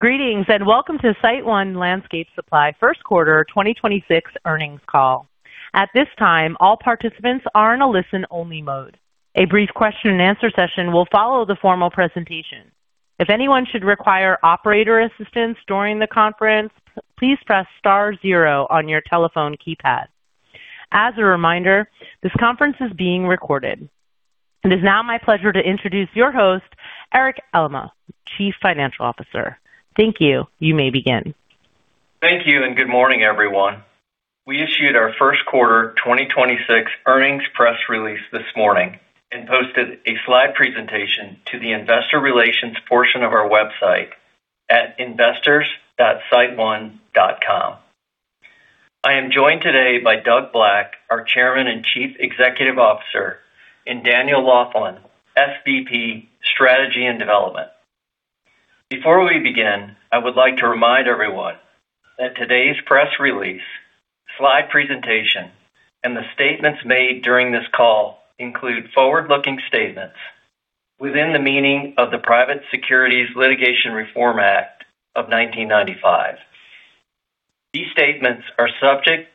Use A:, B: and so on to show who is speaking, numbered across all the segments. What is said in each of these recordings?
A: Greetings, and welcome to SiteOne Landscape Supply first quarter 2026 earnings call. At this time, all the participants are on listen-only mode. A brief question-and-answer session will follow the formal presentation. If anyone should require operator assistance during the conference please press star zero on your telephone keypad. As a reminder, this conference is being recorded. It is now my pleasure to introduce your host, Eric Elema, Chief Financial Officer. Thank you. You may begin.
B: Thank you. Good morning, everyone. We issued our first quarter 2026 earnings press release this morning and posted a slide presentation to the investor relations portion of our website at investors.siteone.com. I am joined today by Doug Black, our Chairman and Chief Executive Officer, and Daniel Laughlin, SVP, Strategy and Development. Before we begin, I would like to remind everyone that today's press release, slide presentation, and the statements made during this call include forward-looking statements within the meaning of the Private Securities Litigation Reform Act of 1995. These statements are subject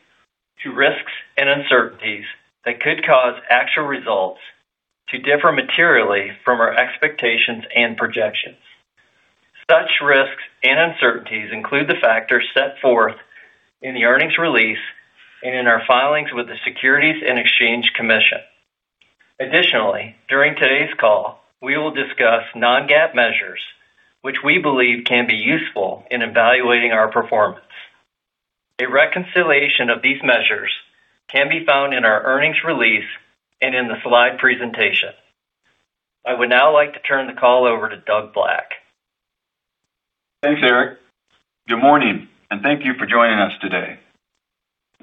B: to risks and uncertainties that could cause actual results to differ materially from our expectations and projections. Such risks and uncertainties include the factors set forth in the earnings release and in our filings with the Securities and Exchange Commission. Additionally, during today's call, we will discuss non-GAAP measures, which we believe can be useful in evaluating our performance. A reconciliation of these measures can be found in our earnings release and in the slide presentation. I would now like to turn the call over to Doug Black.
C: Thanks, Eric. Good morning, and thank you for joining us today.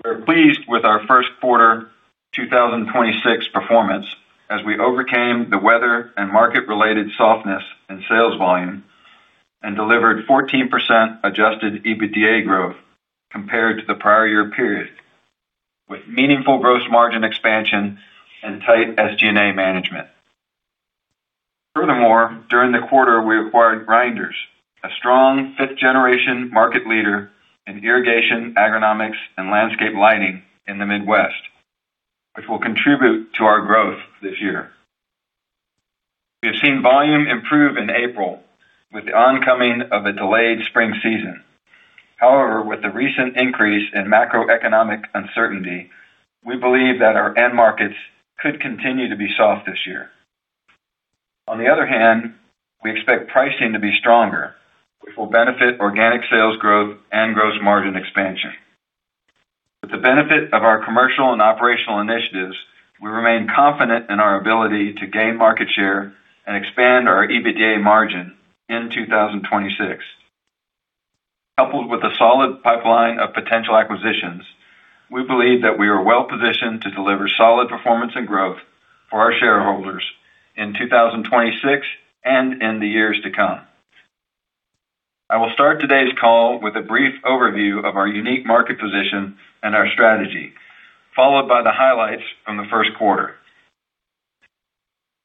C: We're pleased with our first quarter 2026 performance as we overcame the weather and market-related softness and sales volume and delivered 14% Adjusted EBITDA growth compared to the prior year period, with meaningful gross margin expansion and tight SG&A management. Furthermore, during the quarter, we acquired Reinders, a strong fifth-generation market leader in irrigation, agronomics, and landscape lighting in the Midwest, which will contribute to our growth this year. We have seen volume improve in April with the oncoming of a delayed spring season. However, with the recent increase in macroeconomic uncertainty, we believe that our end markets could continue to be soft this year. On the other hand, we expect pricing to be stronger, which will benefit organic sales growth and gross margin expansion. With the benefit of our commercial and operational initiatives, we remain confident in our ability to gain market share and expand our EBITDA margin in 2026. Coupled with a solid pipeline of potential acquisitions, we believe that we are well positioned to deliver solid performance and growth for our shareholders in 2026 and in the years to come. I will start today's call with a brief overview of our unique market position and our strategy, followed by the highlights from the first quarter.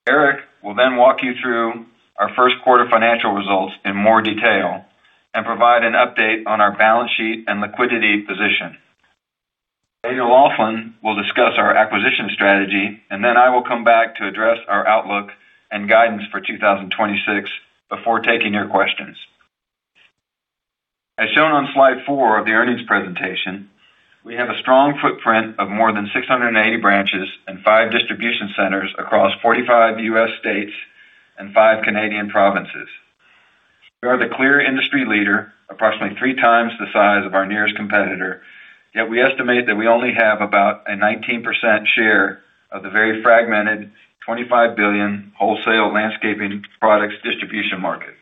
C: Eric will walk you through our first quarter financial results in more detail and provide an update on our balance sheet and liquidity position. Daniel Laughlin will discuss our acquisition strategy, and I will come back to address our outlook and guidance for 2026 before taking your questions. As shown on slide 4 of the earnings presentation, we have a strong footprint of more than 680 branches and five distribution centers across 45 U.S. states and five Canadian provinces. We are the clear industry leader, approximately three times the size of our nearest competitor, yet we estimate that we only have about a 19% share of the very fragmented $25 billion wholesale landscaping products distribution market.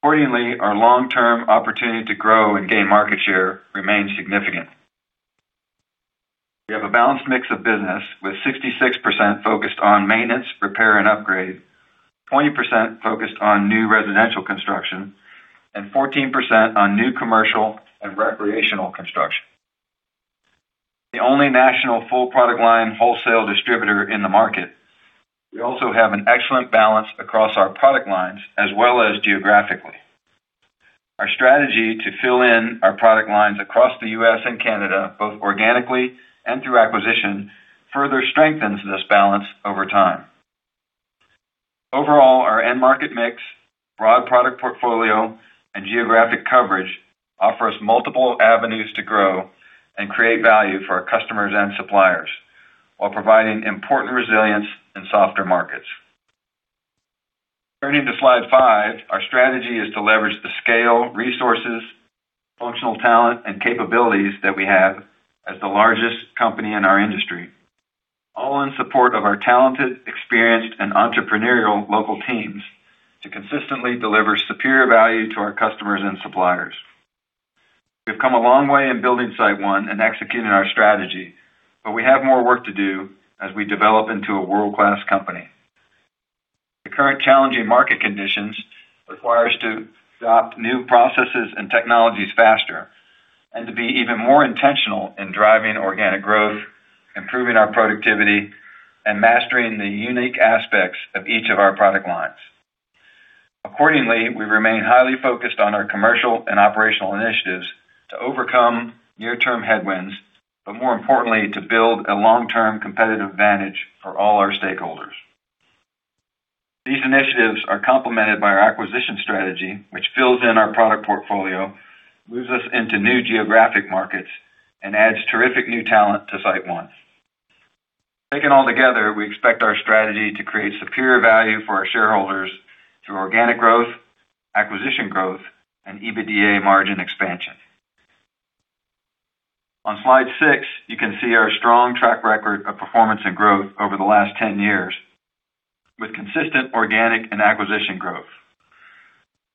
C: Accordingly, our long-term opportunity to grow and gain market share remains significant. We have a balanced mix of business, with 66% focused on maintenance, repair, and upgrade, 20% focused on new residential construction, and 14% on new commercial and recreational construction. The only national full product line wholesale distributor in the market, we also have an excellent balance across our product lines as well as geographically. Our strategy to fill in our product lines across the U.S. and Canada, both organically and through acquisition, further strengthens this balance over time. Overall, our end market mix, broad product portfolio, and geographic coverage offer us multiple avenues to grow and create value for our customers and suppliers while providing important resilience in softer markets. Turning to slide 5, our strategy is to leverage the scale, resources, functional talent, and capabilities that we have as the largest company in our industry, all in support of our talented, experienced, and entrepreneurial local teams to consistently deliver superior value to our customers and suppliers. We've come a long way in building SiteOne and executing our strategy, but we have more work to do as we develop into a world-class company. The current challenging market conditions require us to adopt new processes and technologies faster. To be even more intentional in driving organic growth, improving our productivity, and mastering the unique aspects of each of our product lines. Accordingly, we remain highly focused on our commercial and operational initiatives to overcome near-term headwinds, but, more importantly, to build a long-term competitive advantage for all our stakeholders. These initiatives are complemented by our acquisition strategy, which fills in our product Portfolio, moves us into new geographic markets, and adds terrific new talent to SiteOne. Taken altogether, we expect our strategy to create superior value for our shareholders through organic growth, acquisition growth, and EBITDA margin expansion. On slide six, you can see our strong track record of performance and growth over the last 10 years with consistent organic and acquisition growth.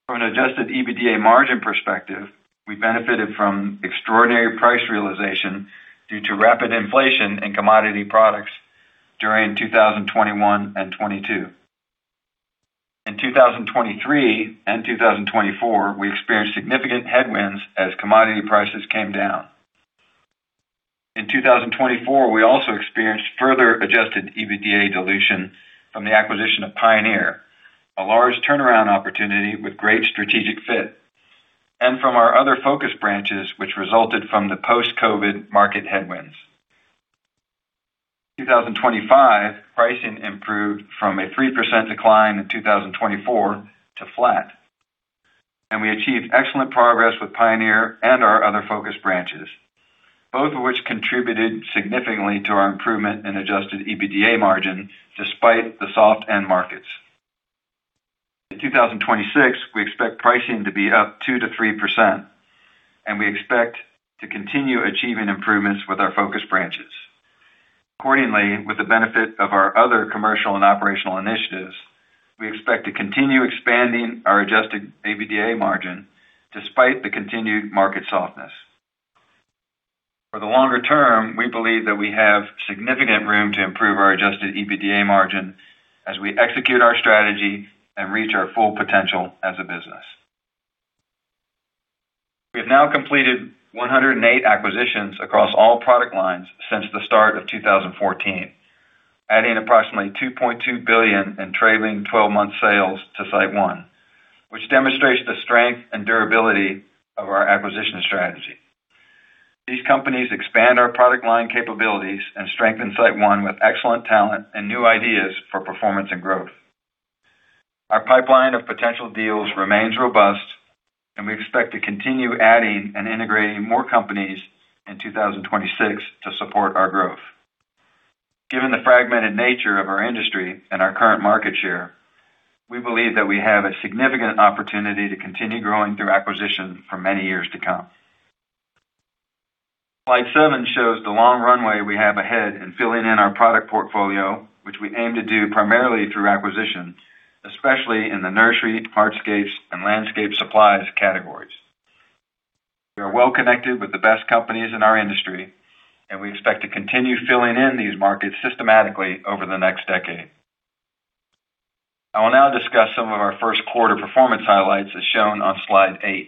C: From an Adjusted EBITDA margin perspective, we benefited from extraordinary price realization due to rapid inflation in commodity products during 2021 and 2022. In 2023 and 2024, we experienced significant headwinds as commodity prices came down. In 2024, we also experienced further Adjusted EBITDA dilution from the acquisition of Pioneer, a large turnaround opportunity with great strategic fit. From our other focus branches, which resulted from the post-COVID market headwinds. 2025 pricing improved from a 3% decline in 2024 to flat. We achieved excellent progress with Pioneer and our other focus branches, both of which contributed significantly to our improvement in Adjusted EBITDA margin despite the soft end markets. In 2026, we expect pricing to be up 2%-3%, and we expect to continue achieving improvements with our focus branches. With the benefit of our other commercial and operational initiatives, we expect to continue expanding our Adjusted EBITDA margin despite the continued market softness. For the longer term, we believe that we have significant room to improve our Adjusted EBITDA margin as we execute our strategy and reach our full potential as a business. We have now completed 108 acquisitions across all product lines since the start of 2014, adding approximately $2.2 billion in trailing 12-month sales to SiteOne, which demonstrates the strength and durability of our acquisition strategy. These companies expand our product line capabilities and strengthen SiteOne with excellent talent and new ideas for performance and growth. Our pipeline of potential deals remains robust, and we expect to continue adding and integrating more companies in 2026 to support our growth. Given the fragmented nature of our industry and our current market share, we believe that we have a significant opportunity to continue growing through acquisition for many years to come. Slide 7 shows the long runway we have ahead in filling in our product Portfolio, which we aim to do primarily through acquisition, especially in the nursery, hardscapes, and landscape supplies categories. We are well connected with the best companies in our industry, and we expect to continue filling in these markets systematically over the next decade. I will now discuss some of our first quarter performance highlights, as shown on slide 8.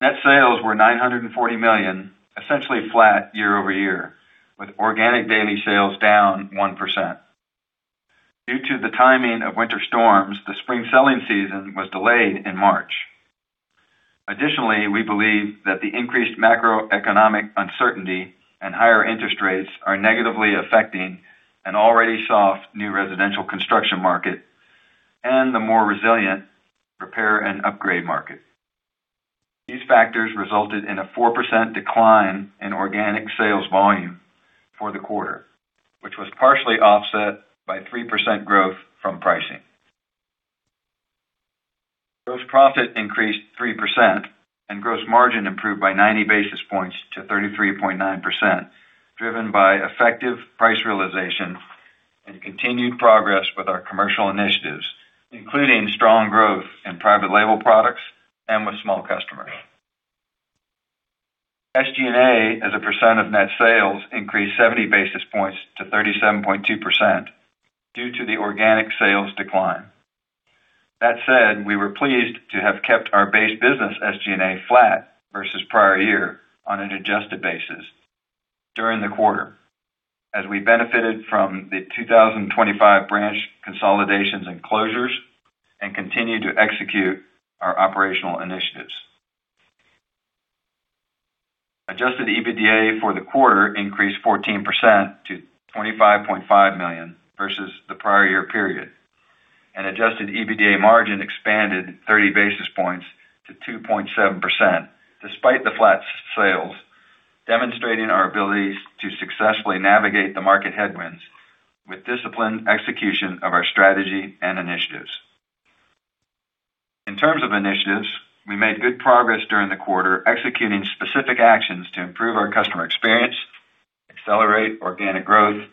C: Net sales were $940 million, essentially flat year-over-year, with organic daily sales down 1%. Due to the timing of winter storms, the spring selling season was delayed in March. Additionally, we believe that the increased macroeconomic uncertainty and higher interest rates are negatively affecting an already soft new residential construction market and the more resilient repair and upgrade market. These factors resulted in a 4% decline in organic sales volume for the quarter, which was partially offset by 3% growth from pricing. Gross profit increased 3% and gross margin improved by 90 basis points to 33.9%, driven by effective price realization and continued progress with our commercial initiatives, including strong growth in private label products and with small customers. SG&A, as a percent of net sales, increased 70 basis points to 37.2% due to the organic sales decline. That said, we were pleased to have kept our base business SG&A flat versus prior year on an adjusted basis during the quarter as we benefited from the 2,025 branch consolidations and closures and continued to execute our operational initiatives. Adjusted EBITDA for the quarter increased 14% to $25.5 million versus the prior-year period, and Adjusted EBITDA margin expanded 30 basis points to 2.7% despite the flat sales, demonstrating our ability to successfully navigate the market headwinds with disciplined execution of our strategy and initiatives. In terms of initiatives, we made good progress during the quarter, executing specific actions to improve our customer experience, accelerate organic growth,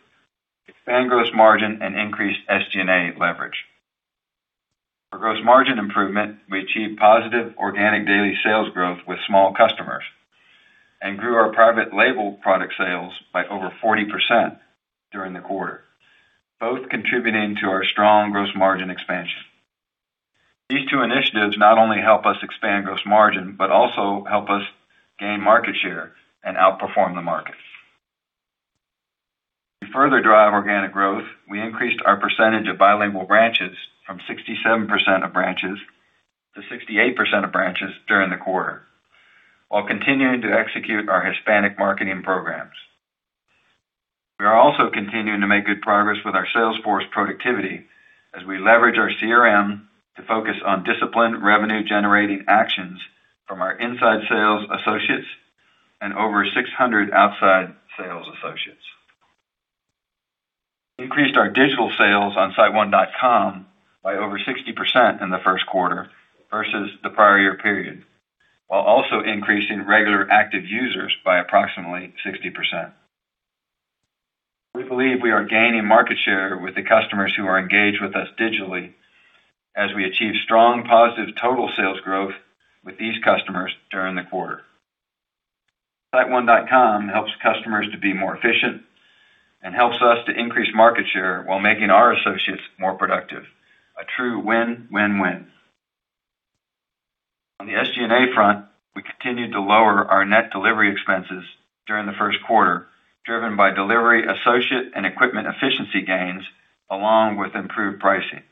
C: expand gross margin, and increase SG&A leverage. For gross margin improvement, we achieved positive organic daily sales growth with small customers and grew our private label product sales by over 40% during the quarter, both contributing to our strong gross margin expansion. These two initiatives not only help us expand gross margin, but also help us gain market share and outperform the market. To further drive organic growth, we increased our percentage of bilingual branches from 67% of branches to 68% of branches during the quarter, while continuing to execute our Hispanic marketing programs. We are also continuing to make good progress with our sales force productivity as we leverage our CRM to focus on disciplined revenue-generating actions from our inside sales associates and over 600 outside sales associates. Increased our digital sales on siteone.com by over 60% in the first quarter versus the prior year period, while also increasing regular active users by approximately 60%. We believe we are gaining market share with the customers who are engaged with us digitally as we achieve strong positive total sales growth with these customers during the quarter. siteone.com helps customers to be more efficient and helps us to increase market share while making our associates more productive. A true win-win-win. On the SG&A front, we continued to lower our net delivery expenses during the first quarter, driven by delivery associate and equipment efficiency gains along with improved pricing.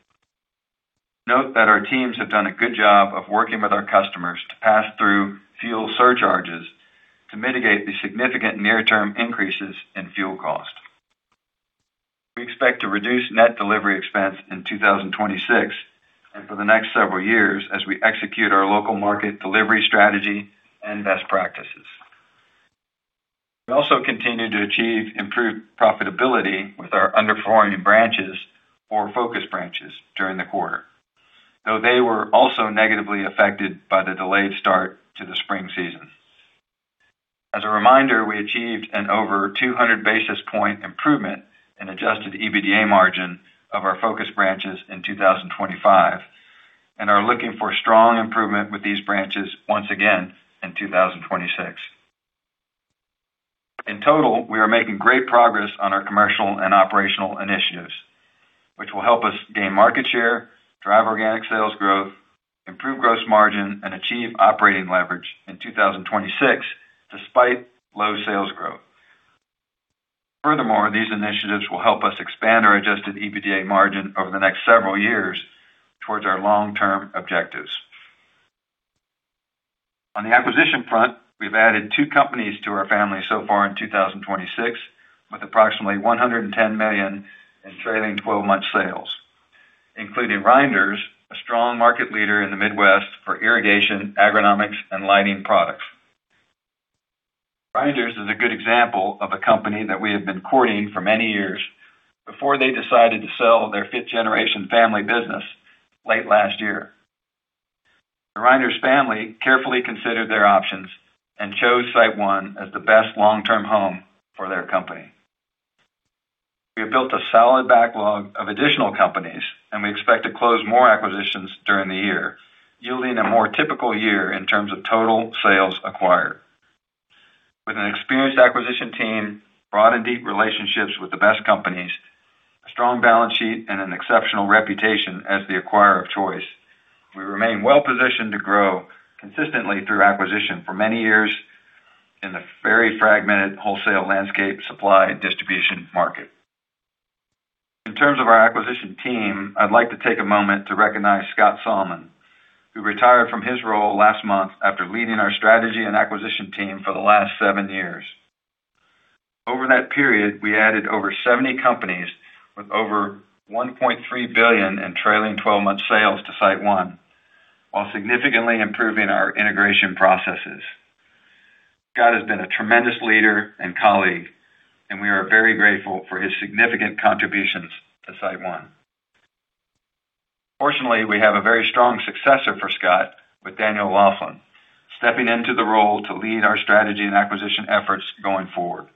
C: Note that our teams have done a good job of working with our customers to pass through fuel surcharges to mitigate the significant near-term increases in fuel cost. We expect to reduce net delivery expense in 2026 and for the next several years as we execute our local market delivery strategy and best practices. We also continue to achieve improved profitability with our underperforming branches or focus branches during the quarter, though they were also negatively affected by the delayed start to the spring season. As a reminder, we achieved an over 200 basis point improvement in Adjusted EBITDA margin of our focus branches in 2025, and are looking for strong improvement with these branches once again in 2026. In total, we are making great progress on our commercial and operational initiatives, which will help us gain market share, drive organic sales growth, improve gross margin, and achieve operating leverage in 2026 despite low sales growth. Furthermore, these initiatives will help us expand our Adjusted EBITDA margin over the next several years towards our long-term objectives. On the acquisition front, we've added two companies to our family so far in 2026, with approximately $110 million in trailing 12-month sales, including Reinders, a strong market leader in the Midwest for irrigation, agronomics and lighting products. Reinders is a good example of a company that we have been courting for many years before they decided to sell their fifth-generation family business late last year. The Reinders family carefully considered their options and chose SiteOne as the best long-term home for their company. We have built a solid backlog of additional companies, and we expect to close more acquisitions during the year, yielding a more typical year in terms of total sales acquired. With an experienced acquisition team, broad and deep relationships with the best companies, a strong balance sheet, and an exceptional reputation as the acquirer of choice, we remain well positioned to grow consistently through acquisition for many years in the very fragmented wholesale landscape supply distribution market. In terms of our acquisition team, I'd like to take a moment to recognize Scott Salmon, who retired from his role last month after leading our strategy and acquisition team for the last seven years. Over that period, we added over 70 companies with over $1.3 billion in trailing 12-month sales to SiteOne, while significantly improving our integration processes. Scott has been a tremendous leader and colleague, and we are very grateful for his significant contributions to SiteOne. Fortunately, we have a very strong successor for Scott with Daniel Laughlin stepping into the role to lead our strategy and acquisition efforts going forward.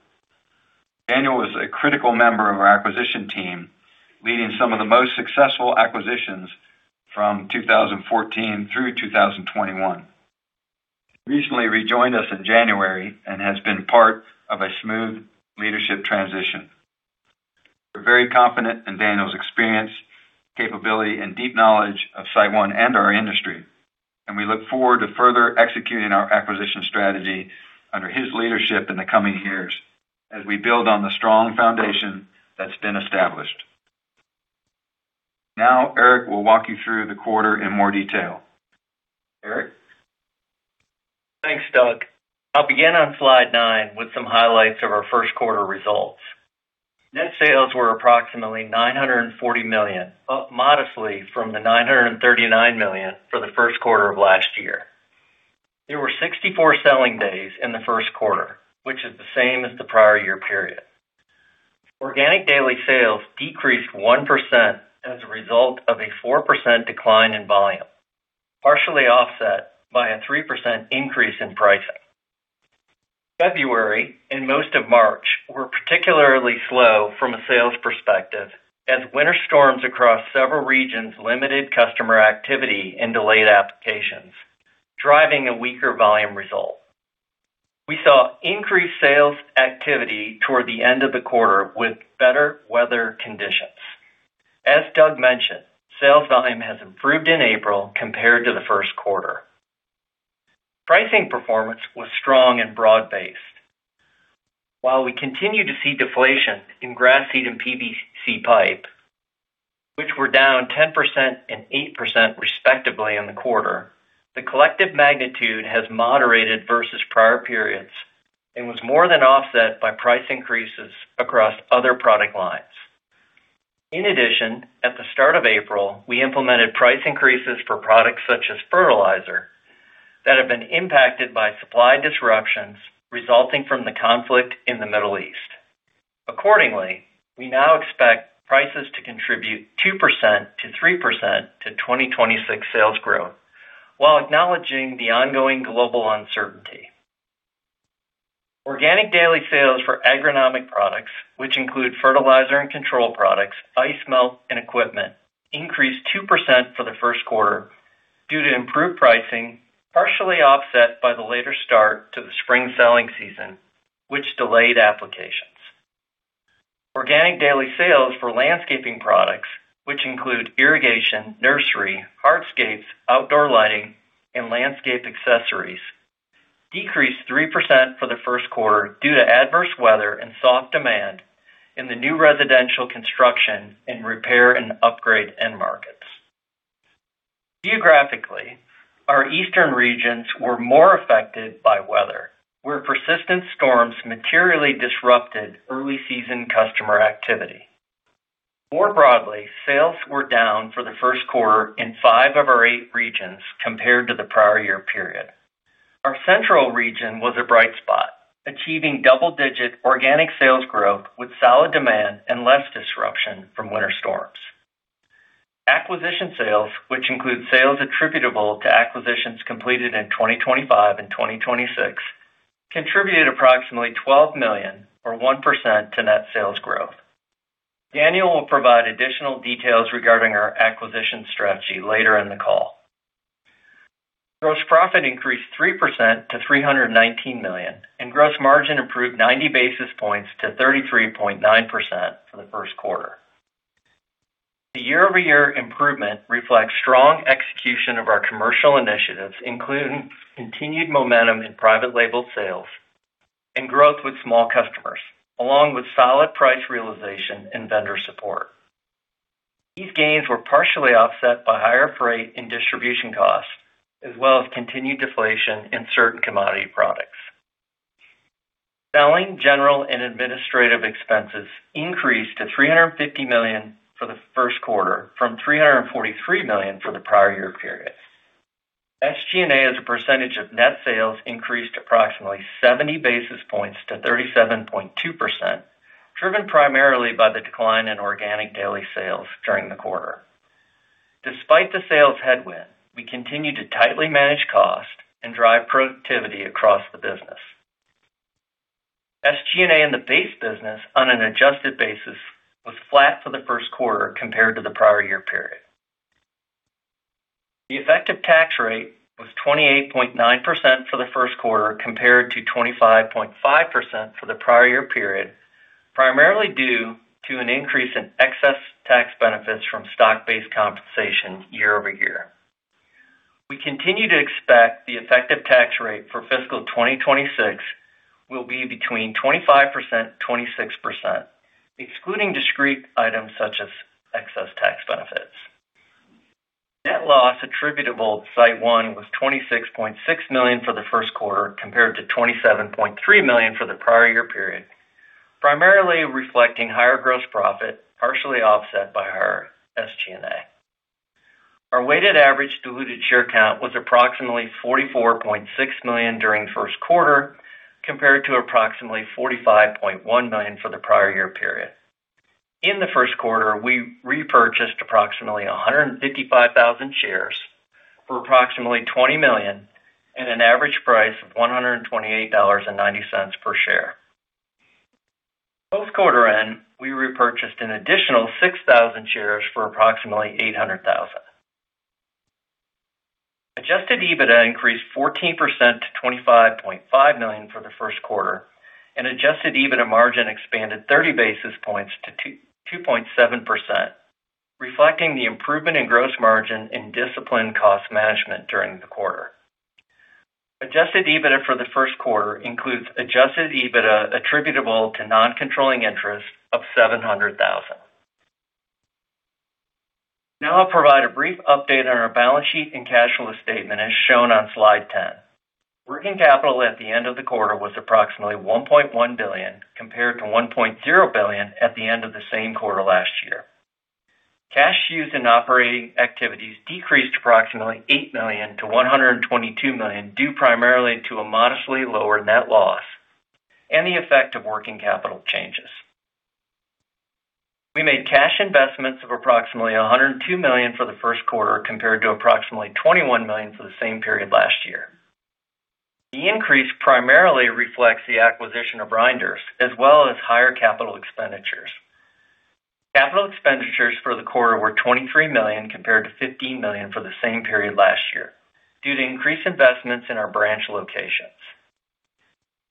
C: Daniel was a critical member of our acquisition team, leading some of the most successful acquisitions from 2014 through 2021. He recently rejoined us in January and has been part of a smooth leadership transition. We're very confident in Daniel's experience, capability, and deep knowledge of SiteOne and our industry, and we look forward to further executing our acquisition strategy under his leadership in the coming years as we build on the strong foundation that's been established. Now, Eric will walk you through the quarter in more detail. Eric?
B: Thanks, Doug. I'll begin on slide 9 with some highlights of our first quarter results. Net sales were approximately $940 million, up modestly from the $939 million for the first quarter of last year. There were 64 selling days in the first quarter, which is the same as the prior year period. Organic daily sales decreased 1% as a result of a 4% decline in volume, partially offset by a 3% increase in pricing. February and most of March were particularly slow from a sales perspective as winter storms across several regions limited customer activity and delayed applications, driving a weaker volume result. We saw increased sales activity toward the end of the quarter with better weather conditions. As Doug mentioned, sales volume has improved in April compared to the first quarter. Pricing performance was strong and broad-based. While we continue to see deflation in grass seed and PVC pipe, which were down 10% and 8% respectively in the quarter, the collective magnitude has moderated versus prior periods and was more than offset by price increases across other product lines. In addition, at the start of April, we implemented price increases for products such as fertilizer that have been impacted by supply disruptions resulting from the conflict in the Middle East. Accordingly, we now expect prices to contribute 2%-3% to 2026 sales growth while acknowledging the ongoing global uncertainty. Organic daily sales for agronomic products, which include fertilizer and control products, ice melt, and equipment, increased 2% for the first quarter due to improved pricing, partially offset by the later start to the spring selling season, which delayed applications. Organic daily sales for landscaping products, which include irrigation, nursery, hardscapes, outdoor lighting, and landscape accessories, decreased 3% for the first quarter due to adverse weather and soft demand in the new residential construction and repair and upgrade end markets. Geographically, our eastern regions were more affected by weather, where persistent storms materially disrupted early-season customer activity. More broadly, sales were down for the first quarter in five of our eight regions compared to the prior year period. Our central region was a bright spot, achieving double-digit organic sales growth with solid demand and less disruption from winter storms. Acquisition sales, which include sales attributable to acquisitions completed in 2025 and 2026, contributed approximately $12 million or 1% to net sales growth. Daniel will provide additional details regarding our acquisition strategy later in the call. Gross profit increased 3% to $319 million, and gross margin improved 90 basis points to 33.9% for the first quarter. The year-over-year improvement reflects strong execution of our commercial initiatives, including continued momentum in private label sales and growth with small customers, along with solid price realization and vendor support. These gains were partially offset by higher freight and distribution costs as well as continued deflation in certain commodity products. Selling, general, and administrative expenses increased to $350 million for the first quarter from $343 million for the prior year period. SG&A, as a percentage of net sales, increased approximately 70 basis points to 37.2%, driven primarily by the decline in organic daily sales during the quarter. Despite the sales headwind, we continue to tightly manage cost and drive productivity across the business. SG&A in the base business on an adjusted basis was flat for the first quarter compared to the prior year period. The effective tax rate was 28.9% for the first quarter, compared to 25.5% for the prior year period, primarily due to an increase in excess tax benefits from stock-based compensation year-over-year. We continue to expect the effective tax rate for fiscal 2026 will be between 25%-26%, excluding discrete items such as excess tax benefits. Net loss attributable to SiteOne was $26.6 million for the first quarter, compared to $27.3 million for the prior year period, primarily reflecting higher gross profit, partially offset by our SG&A. Our weighted average diluted share count was approximately 44.6 million during the first quarter, compared to approximately 45.1 million for the prior year period. In the first quarter, we repurchased approximately 155,000 shares for approximately $20 million at an average price of $128.90 per share. Post quarter end, we repurchased an additional 6,000 shares for approximately $800,000. Adjusted EBITDA increased 14% to $25.5 million for the first quarter, and Adjusted EBITDA margin expanded 30 basis points to 2.7%, reflecting the improvement in gross margin and disciplined cost management during the quarter. Adjusted EBITDA for the first quarter includes Adjusted EBITDA attributable to non-controlling interest of $700,000. Now I'll provide a brief update on our balance sheet and cash flow statement, as shown on slide 10. Working capital at the end of the quarter was approximately $1.1 billion, compared to $1.0 billion at the end of the same quarter last year. Cash used in operating activities decreased approximately $8 million to $122 million, due primarily to a modestly lower net loss and the effect of working capital changes. We made cash investments of approximately $102 million for the first quarter, compared to approximately $21 million for the same period last year. The increase primarily reflects the acquisition of Reinders as well as higher capital expenditures. Capital expenditures for the quarter were $23 million, compared to $15 million for the same period last year, due to increased investments in our branch locations.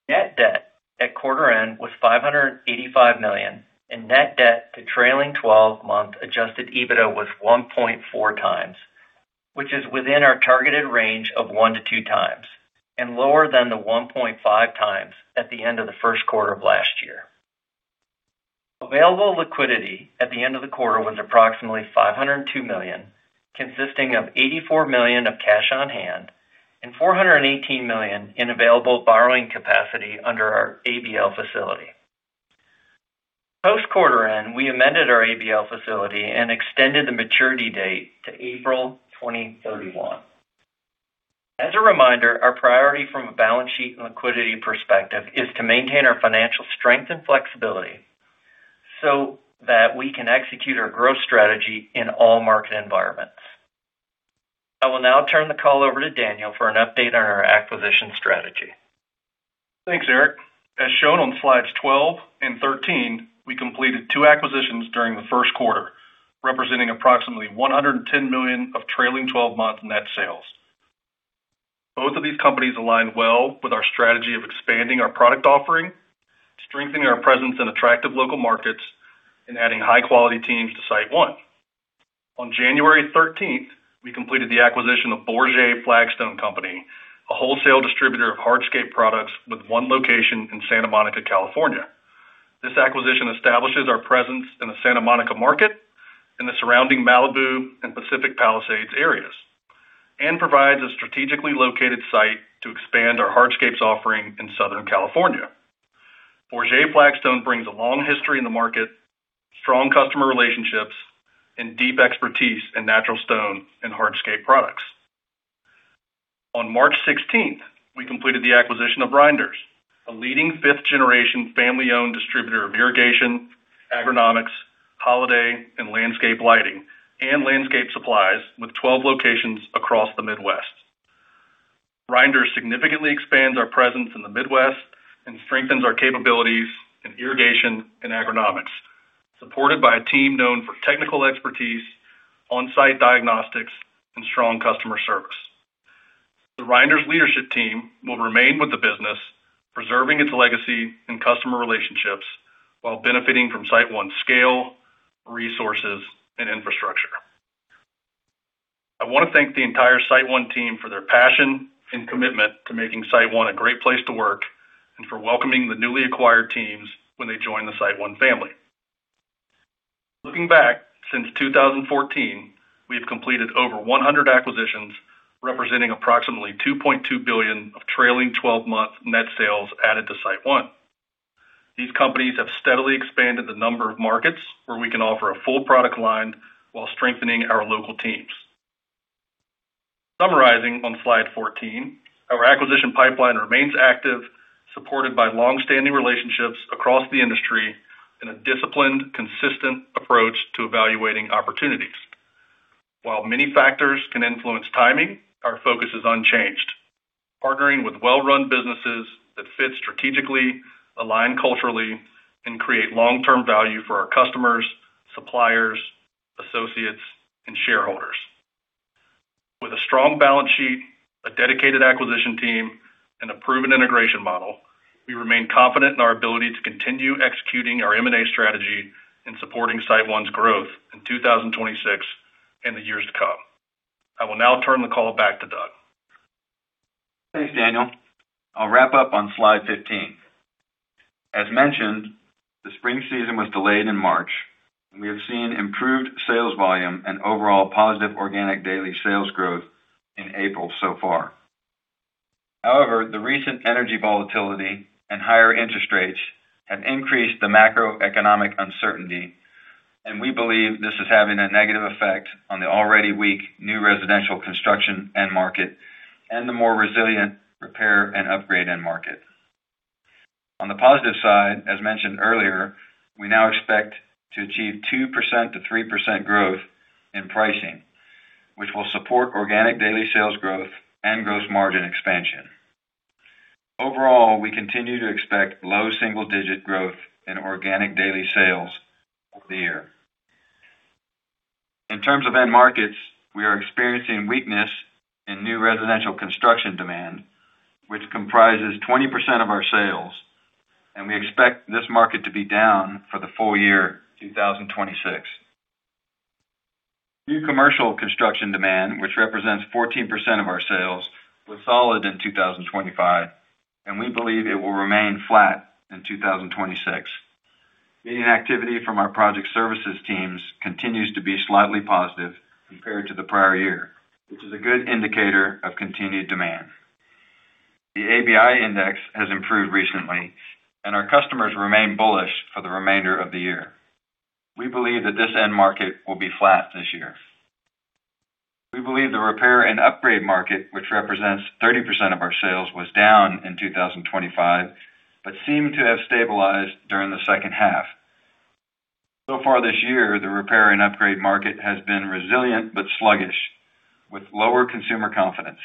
B: Net debt at quarter end was $585 million, and net debt to trailing 12-month Adjusted EBITDA was 1.4x, which is within our targeted range of 1x-2x and lower than the 1.5x at the end of the first quarter of last year. Available liquidity at the end of the quarter was approximately $502 million, consisting of $84 million of cash on hand and $418 million in available borrowing capacity under our ABL facility. Post quarter end, we amended our ABL facility and extended the maturity date to April 2031. As a reminder, our priority from a balance sheet and liquidity perspective is to maintain our financial strength and flexibility so that we can execute our growth strategy in all market environments. I will now turn the call over to Daniel for an update on our acquisition strategy.
D: Thanks, Eric. As shown on slides 12 and 13, we completed two acquisitions during the first quarter, representing approximately $110 million of trailing 12 months net sales. Both of these companies align well with our strategy of expanding our product offering, strengthening our presence in attractive local markets, and adding high-quality teams to SiteOne. On January 13th, we completed the acquisition of Bourget Flagstone Co., a wholesale distributor of hardscape products with one location in Santa Monica, California. This acquisition establishes our presence in the Santa Monica market and the surrounding Malibu and Pacific Palisades areas and provides a strategically located site to expand our hardscapes offering in Southern California. Bourget Flagstone brings a long history in the market, strong customer relationships, and deep expertise in natural stone and hardscape products. On March 16th, we completed the acquisition of Reinders, a leading fifth-generation family-owned distributor of irrigation, agronomics, holiday and landscape lighting, and landscape supplies with 12 locations across the Midwest. Reinders significantly expands our presence in the Midwest and strengthens our capabilities in irrigation and agronomics, supported by a team known for technical expertise, on-site diagnostics, and strong customer service. The Reinders leadership team will remain with the business, preserving its legacy and customer relationships while benefiting from SiteOne's scale, resources, and infrastructure. I wanna thank the entire SiteOne team for their passion and commitment to making SiteOne a great place to work and for welcoming the newly acquired teams when they join the SiteOne family. Looking back, since 2014, we have completed over 100 acquisitions, representing approximately $2.2 billion of trailing 12-month net sales added to SiteOne. These companies have steadily expanded the number of markets where we can offer a full product line while strengthening our local teams. Summarizing on slide 14, our acquisition pipeline remains active, supported by long-standing relationships across the industry and a disciplined, consistent approach to evaluating opportunities. While many factors can influence timing, our focus is unchanged, partnering with well-run businesses that fit strategically, align culturally, and create long-term value for our customers, suppliers, associates, and shareholders. With a strong balance sheet, a dedicated acquisition team, and a proven integration model, we remain confident in our ability to continue executing our M&A strategy and supporting SiteOne's growth in 2026 and the years to come. I will now turn the call back to Doug.
C: Thanks, Daniel. I'll wrap up on slide 15. As mentioned, the spring season was delayed in March, and we have seen improved sales volume and overall positive organic daily sales growth in April so far. The recent energy volatility and higher interest rates have increased the macroeconomic uncertainty, and we believe this is having a negative effect on the already weak new residential construction end market and the more resilient repair and upgrade end market. On the positive side, as mentioned earlier, we now expect to achieve 2%-3% growth in pricing, which will support organic daily sales growth and gross margin expansion. Overall, we continue to expect low single-digit growth in organic daily sales over the year. In terms of end markets, we are experiencing weakness in new residential construction demand, which comprises 20% of our sales, and we expect this market to be down for the full year 2026. New commercial construction demand, which represents 14% of our sales, was solid in 2025, and we believe it will remain flat in 2026. Meeting activity from our project services teams continues to be slightly positive compared to the prior year, which is a good indicator of continued demand. The ABI index has improved recently, and our customers remain bullish for the remainder of the year. We believe that this end market will be flat this year. We believe the repair and upgrade market, which represents 30% of our sales, was down in 2025 but seemed to have stabilized during the second half. So far this year, the repair and upgrade market has been resilient but sluggish, with lower consumer confidence.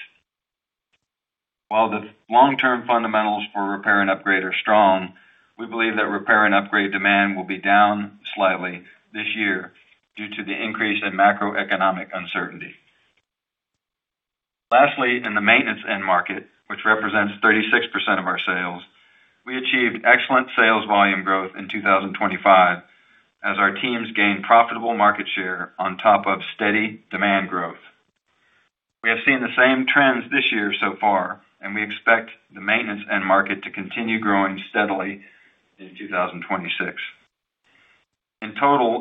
C: While the long-term fundamentals for repair and upgrade are strong, we believe that repair and upgrade demand will be down slightly this year due to the increase in macroeconomic uncertainty. In the maintenance end market, which represents 36% of our sales, we achieved excellent sales volume growth in 2025 as our teams gained profitable market share on top of steady demand growth. We have seen the same trends this year so far, and we expect the maintenance end market to continue growing steadily in 2026.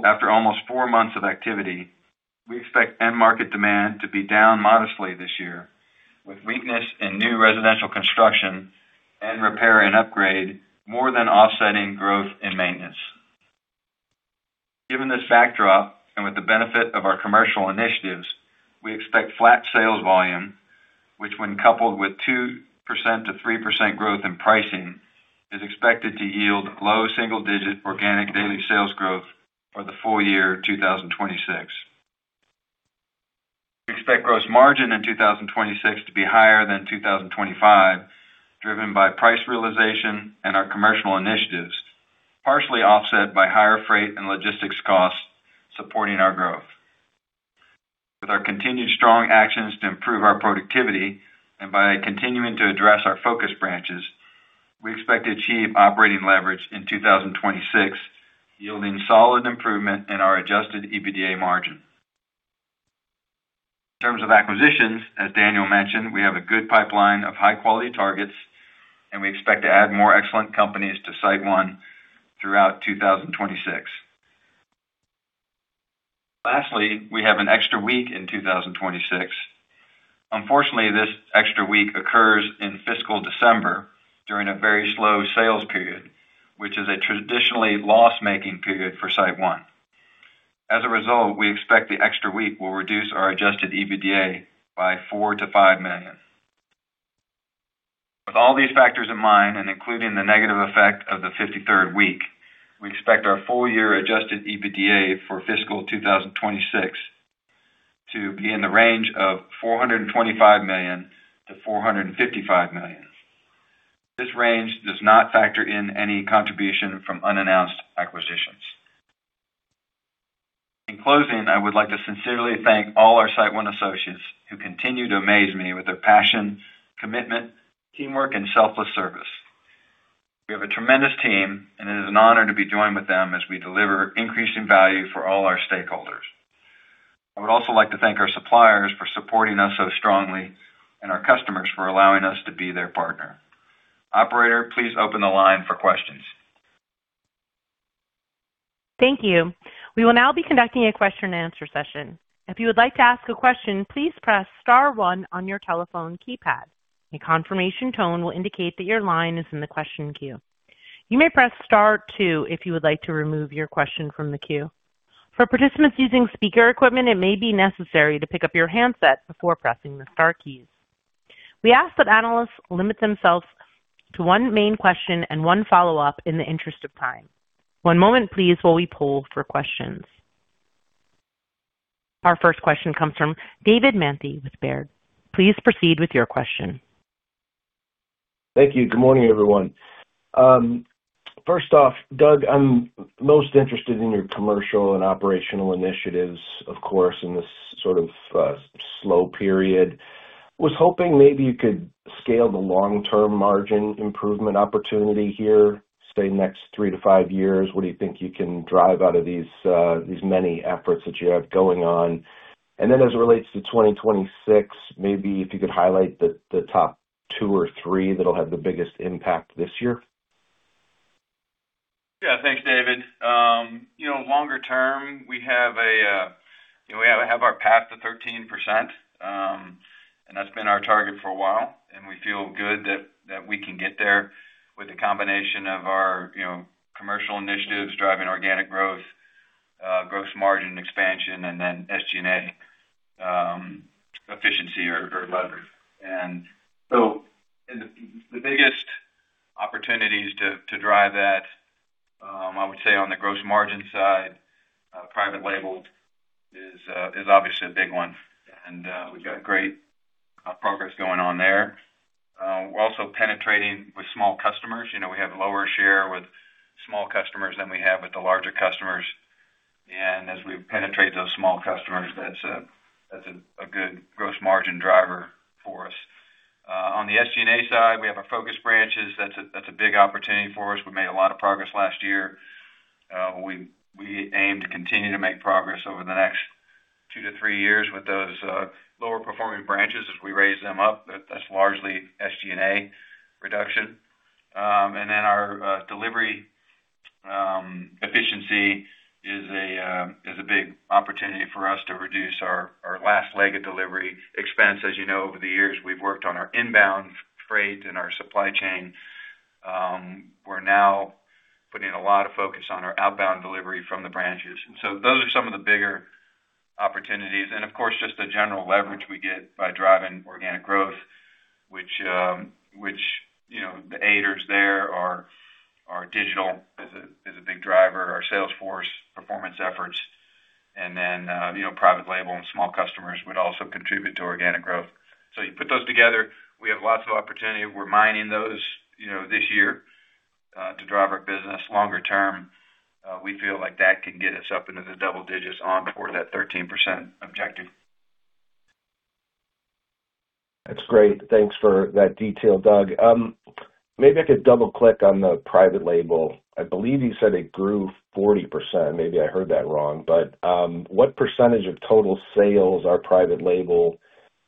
C: After almost four months of activity, we expect end market demand to be down modestly this year, with weakness in new residential construction and repair and upgrade more than offsetting growth in maintenance. Given this backdrop and with the benefit of our commercial initiatives, we expect flat sales volume, which when coupled with 2%-3% growth in pricing, is expected to yield low single-digit organic daily sales growth for the full year 2026. We expect gross margin in 2026 to be higher than 2025, driven by price realization and our commercial initiatives, partially offset by higher freight and logistics costs supporting our growth. With our continued strong actions to improve our productivity and by continuing to address our focus branches, we expect to achieve operating leverage in 2026, yielding solid improvement in our Adjusted EBITDA margin. In terms of acquisitions, as Daniel mentioned, we have a good pipeline of high-quality targets, and we expect to add more excellent companies to SiteOne throughout 2026. Lastly, we have an extra week in 2026. Unfortunately, this extra week occurs in fiscal December during a very slow sales period, which is a traditionally loss-making period for SiteOne. As a result, we expect the extra week will reduce our Adjusted EBITDA by $4 million-$5 million. With all these factors in mind, and including the negative effect of the 53rd week, we expect our full year Adjusted EBITDA for fiscal 2026 to be in the range of $425 million-$455 million. This range does not factor in any contribution from unannounced acquisitions. In closing, I would like to sincerely thank all our SiteOne associates who continue to amaze me with their passion, commitment, teamwork, and selfless service. We have a tremendous team, and it is an honor to be joined with them as we deliver increasing value for all our stakeholders. I would also like to thank our suppliers for supporting us so strongly and our customers for allowing us to be their partner. Operator, please open the line for questions.
A: Thank you. We will now be conducting a question-and-answer session. If you would like to ask a question, please press star one on your telephone keypad. A confirmation tone will indicate that your line is in the question queue. You may press star two if you would like to remove your question from the queue. For participants using speaker equipment, it may be necessary to pick up your handset before pressing the star keys. We ask that analysts limit themselves to one main question and one follow-up in the interest of time. One moment please while we poll for questions. Our first question comes from David Manthey with Baird. Please proceed with your question.
E: Thank you. Good morning, everyone. First off, Doug, I'm most interested in your commercial and operational initiatives, of course, in this sort of slow period. I was hoping maybe you could scale the long-term margin improvement opportunity here, say next three to five years. What do you think you can drive out of these many efforts that you have going on? As it relates to 2026, maybe if you could highlight the top two or three that'll have the biggest impact this year.
C: Thanks, David. Longer term, we have our path to 13%, and that's been our target for a while, and we feel good that we can get there with the combination of our commercial initiatives driving organic growth, gross margin expansion, and then SG&A efficiency or leverage. The biggest opportunities to drive that, I would say on the gross margin side, private label is obviously a big one, and we've got great progress going on there. We're also penetrating with small customers. We have lower share with small customers than we have with the larger customers. As we penetrate those small customers, that's a good gross margin driver for us. On the SG&A side, we have our focus branches. That's a big opportunity for us. We made a lot of progress last year. We aim to continue to make progress over the next two to three years with those lower performing branches as we raise them up. That's largely SG&A reduction. Our delivery efficiency is a big opportunity for us to reduce our last leg of delivery expense. As you know, over the years, we've worked on our inbound freight and our supply chain. We're now putting a lot of focus on our outbound delivery from the branches. Those are some of the bigger opportunities. Of course, just the general leverage we get by driving organic growth, which, you know, the aiders there are digital is a big driver. Our sales force performance efforts. Then, you know, private label and small customers would also contribute to organic growth. You put those together, we have lots of opportunity. We're mining those, you know, this year to drive our business longer term. We feel like that can get us up into the double digits on toward that 13% objective.
E: That's great. Thanks for that detail, Doug. Maybe I could double-click on the private label. I believe you said it grew 40%. Maybe I heard that wrong, but what percentage of total sales are private label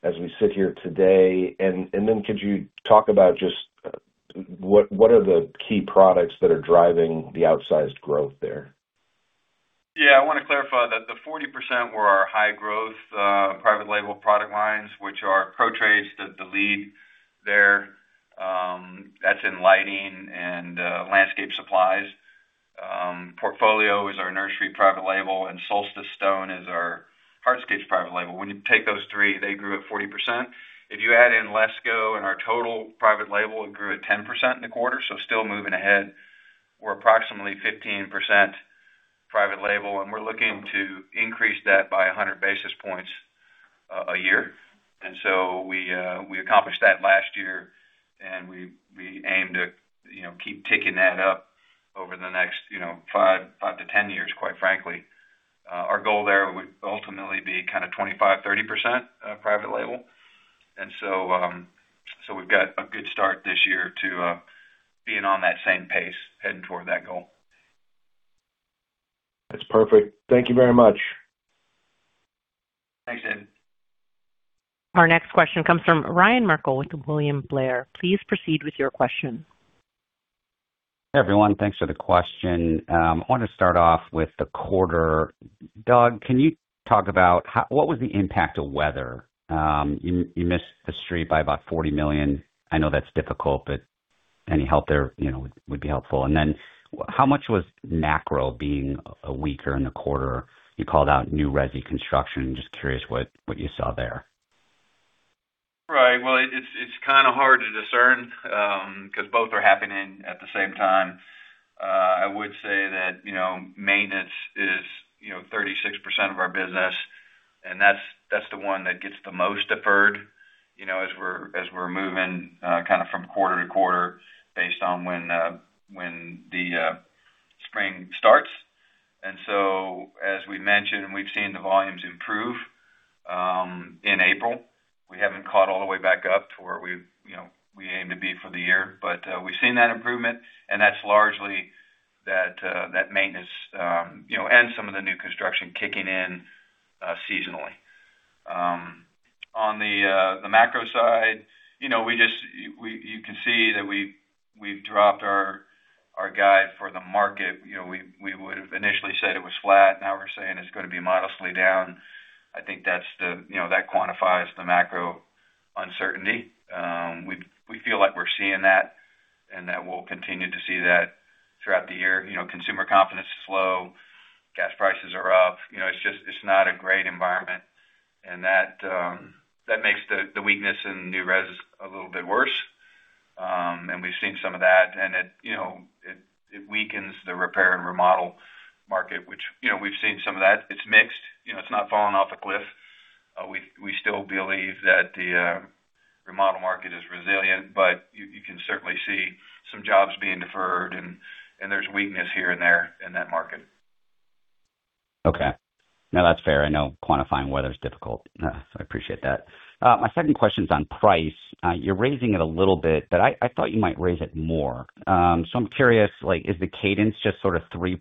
E: as we sit here today? Then could you talk about just what are the key products that are driving the outsized growth there?
C: I wanna clarify that the 40% were our high-growth private label product lines, which are Pro-Trade, the lead there, that's in lighting and landscape supplies. Portfolio is our nursery private label, Solstice Stone is our hardscape private label. When you take those three, they grew at 40%. If you add in LESCO and our total private label, it grew at 10% in the quarter, so still moving ahead. We're approximately 15% private label, and we're looking to increase that by 100 basis points a year. We accomplished that last year, and we aim to, you know, keep ticking that up over the next, you know, 5-10 years, quite frankly. Our goal there would ultimately be kinda 25%-30% private label. We've got a good start this year to being on that same pace heading toward that goal.
E: That's perfect. Thank you very much.
C: Thanks, David.
A: Our next question comes from Ryan Merkel with William Blair. Please proceed with your question.
F: Hey, everyone. Thanks for the question. I want to start off with the quarter. Doug, can you talk about what was the impact of weather? You missed the street by about $40 million. I know that's difficult, but any help there, you know, would be helpful. Then how much was macro being a weaker in the quarter? You called out new resi construction. Just curious what you saw there.
C: Right. Well, it's kind of hard to discern, 'cause both are happening at the same time. I would say that, you know, maintenance is, you know, 36% of our business, and that's the one that gets the most deferred, you know, as we're moving, kind of from quarter to quarter based on when the spring starts. As we mentioned, and we've seen the volumes improve in April. We haven't caught all the way back up to where we, you know, we aim to be for the year. We've seen that improvement, and that's largely that maintenance, you know, and some of the new construction kicking in seasonally. On the macro side, you know, you can see that we've dropped our guide for the market. You know, we would've initially said it was flat, now we're saying it's gonna be modestly down. I think that's the. You know, that quantifies the macro uncertainty. We feel like we're seeing that and that we'll continue to see that throughout the year. You know, consumer confidence is low, gas prices are up. You know, it's just, it's not a great environment, and that makes the weakness in new res a little bit worse. And we've seen some of that, and it, you know, it weakens the repair and remodel market, which, you know, we've seen some of that. It's mixed, you know, it's not falling off a cliff. We still believe that the remodel market is resilient. You can certainly see some jobs being deferred and there's weakness here and there in that market.
F: Okay. No, that's fair. I know quantifying weather's difficult. I appreciate that. My second question's on price. You're raising it a little bit, I thought you might raise it more. I'm curious, like, is the cadence just sort of 3%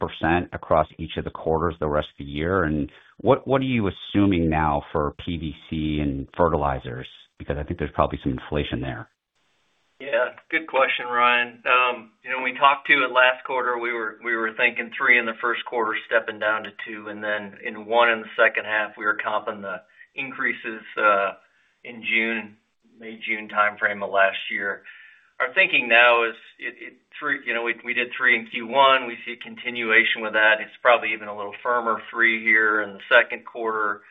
F: across each of the quarters the rest of the year? What are you assuming now for PVC and fertilizers? I think there's probably some inflation there.
B: Yeah. Good question, Ryan. You know, when we talked to you last quarter, we were thinking 3% in the first quarter, stepping down to 2%, then 1% in the second half, we were comping the increases in June, May-June timeframe of last year. Our thinking now is 3%, you know, we did 3% in Q1. We see a continuation with that. It's probably even a little firmer 3% here in the second quarter.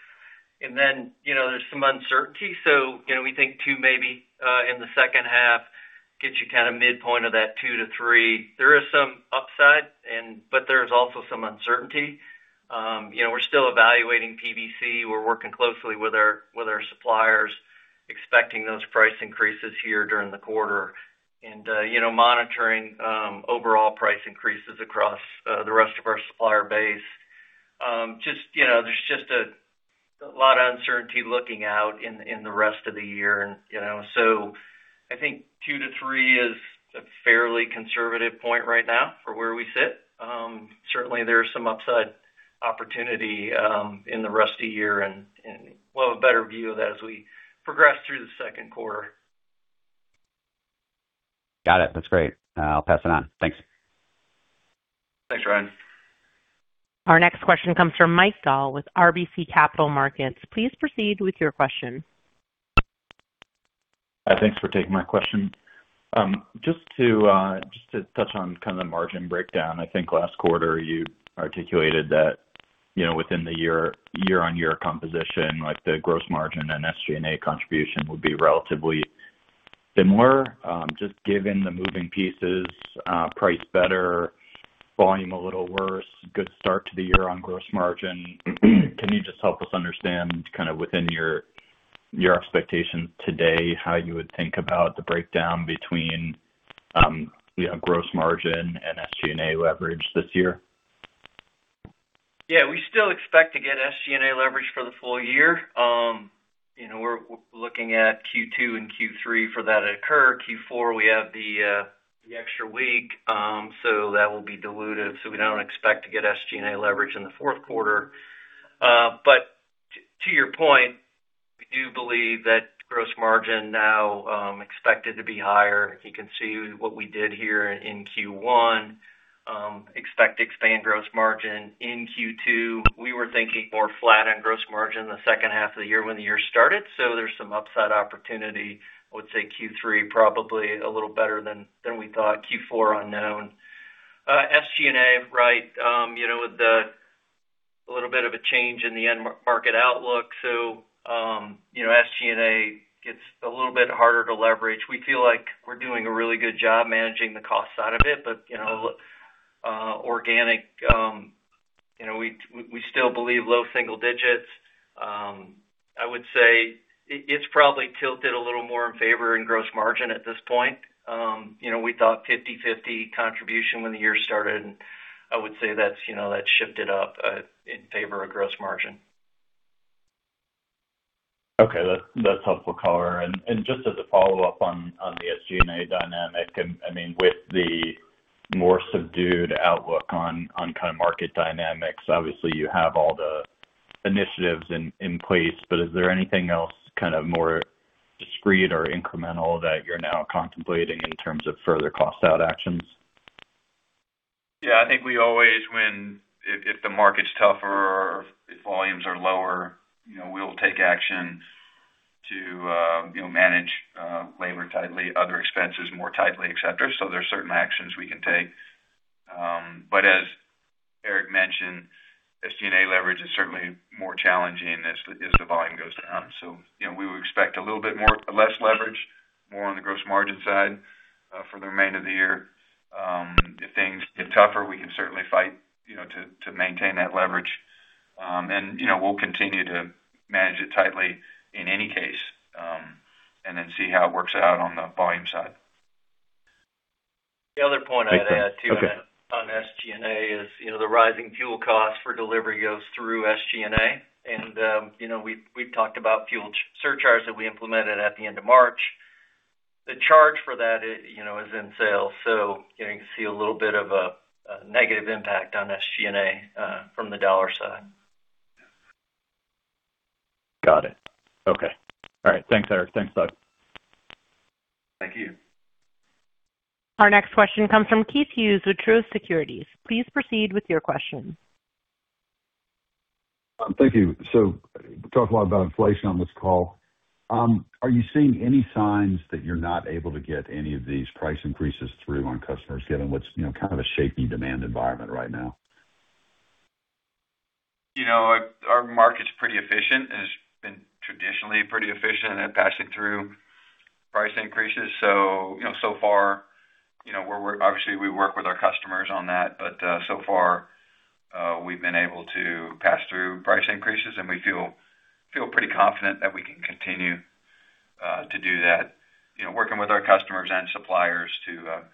B: You know, there's some uncertainty. You know, we think 2% maybe in the second half, gets you kinda midpoint of that 2%-3%. There is some upside, but there's also some uncertainty. You know, we're still evaluating PVC. We're working closely with our suppliers, expecting those price increases here during the quarter. You know, monitoring overall price increases across the rest of our supplier base. Just, you know, there's a lot of uncertainty looking out in the rest of the year, and you know. I think 2%-3% is a fairly conservative point right now for where we sit. Certainly there are some upside opportunity in the rest of the year, and we'll have a better view of that as we progress through the second quarter.
F: Got it. That's great. I'll pass it on. Thanks.
C: Thanks, Ryan.
A: Our next question comes from Mike Dahl with RBC Capital Markets. Please proceed with your question.
G: Thanks for taking my question. Just to touch on kind of the margin breakdown. I think last quarter you articulated that, you know, within the year-on-year composition, like the gross margin and SG&A contribution would be relatively similar. Just given the moving pieces, price better, volume a little worse. Good start to the year on gross margin. Can you just help us understand kind of within your expectation today, how you would think about the breakdown between, you know, gross margin and SG&A leverage this year?
B: Yeah, we still expect to get SG&A leverage for the full year. You know, we're looking at Q2 and Q3 for that to occur. Q4, we have the extra week, so that will be dilutive, so we don't expect to get SG&A leverage in the fourth quarter. To your point, we do believe that gross margin now expected to be higher. If you can see what we did here in Q1, expect to expand gross margin in Q2. We were thinking more flat on gross margin the second half of the year when the year started, so there's some upside opportunity. I would say Q3 probably a little better than we thought. Q4, unknown. SG&A, right, you know, with the little bit of a change in the end market outlook. You know, SG&A gets a little bit harder to leverage. We feel like we're doing a really good job managing the cost side of it. You know, organic, you know, we still believe low single digits. I would say it's probably tilted a little more in favor in gross margin at this point. You know, we thought 50/50 contribution when the year started, I would say that's, you know, that's shifted up in favor of gross margin.
G: Okay. That's helpful color. Just as a follow-up on the SG&A dynamic, I mean, with the more subdued outlook on kind of market dynamics, obviously you have all the initiatives in place, but is there anything else kind of more discreet or incremental that you're now contemplating in terms of further cost out actions?
C: I think we always win if the market's tougher or if volumes are lower, you know, we'll take action to, you know, manage labor tightly, other expenses more tightly, et cetera. There are certain actions we can take. As Eric mentioned, SG&A leverage is certainly more challenging as the volume goes down. You know, we would expect a little bit less leverage, more on the gross margin side for the remainder of the year. If things get tougher, we can certainly fight, you know, to maintain that leverage. You know, we'll continue to manage it tightly in any case, and then see how it works out on the volume side.
B: The other point I'd add too-
G: Okay.
B: SG&A is, you know, the rising fuel cost for delivery goes through SG&A. You know, we've talked about fuel surcharges that we implemented at the end of March. The charge for that is, you know, is in sales, so you can see a little bit of a negative impact on SG&A from the dollar side.
G: Got it. Okay. All right. Thanks, Eric. Thanks, Doug.
C: Thank you.
A: Our next question comes from Keith Hughes with Truist Securities. Please proceed with your question.
H: Thank you. We talked a lot about inflation on this call. Are you seeing any signs that you're not able to get any of these price increases through on customers given what's, you know, kind of a shaky demand environment right now?
C: You know, our market's pretty efficient and it's been traditionally pretty efficient at passing through price increases. You know, so far, you know, obviously, we work with our customers on that, but so far, we've been able to pass through price increases, and we feel pretty confident that we can continue to do that. You know, working with our customers and suppliers to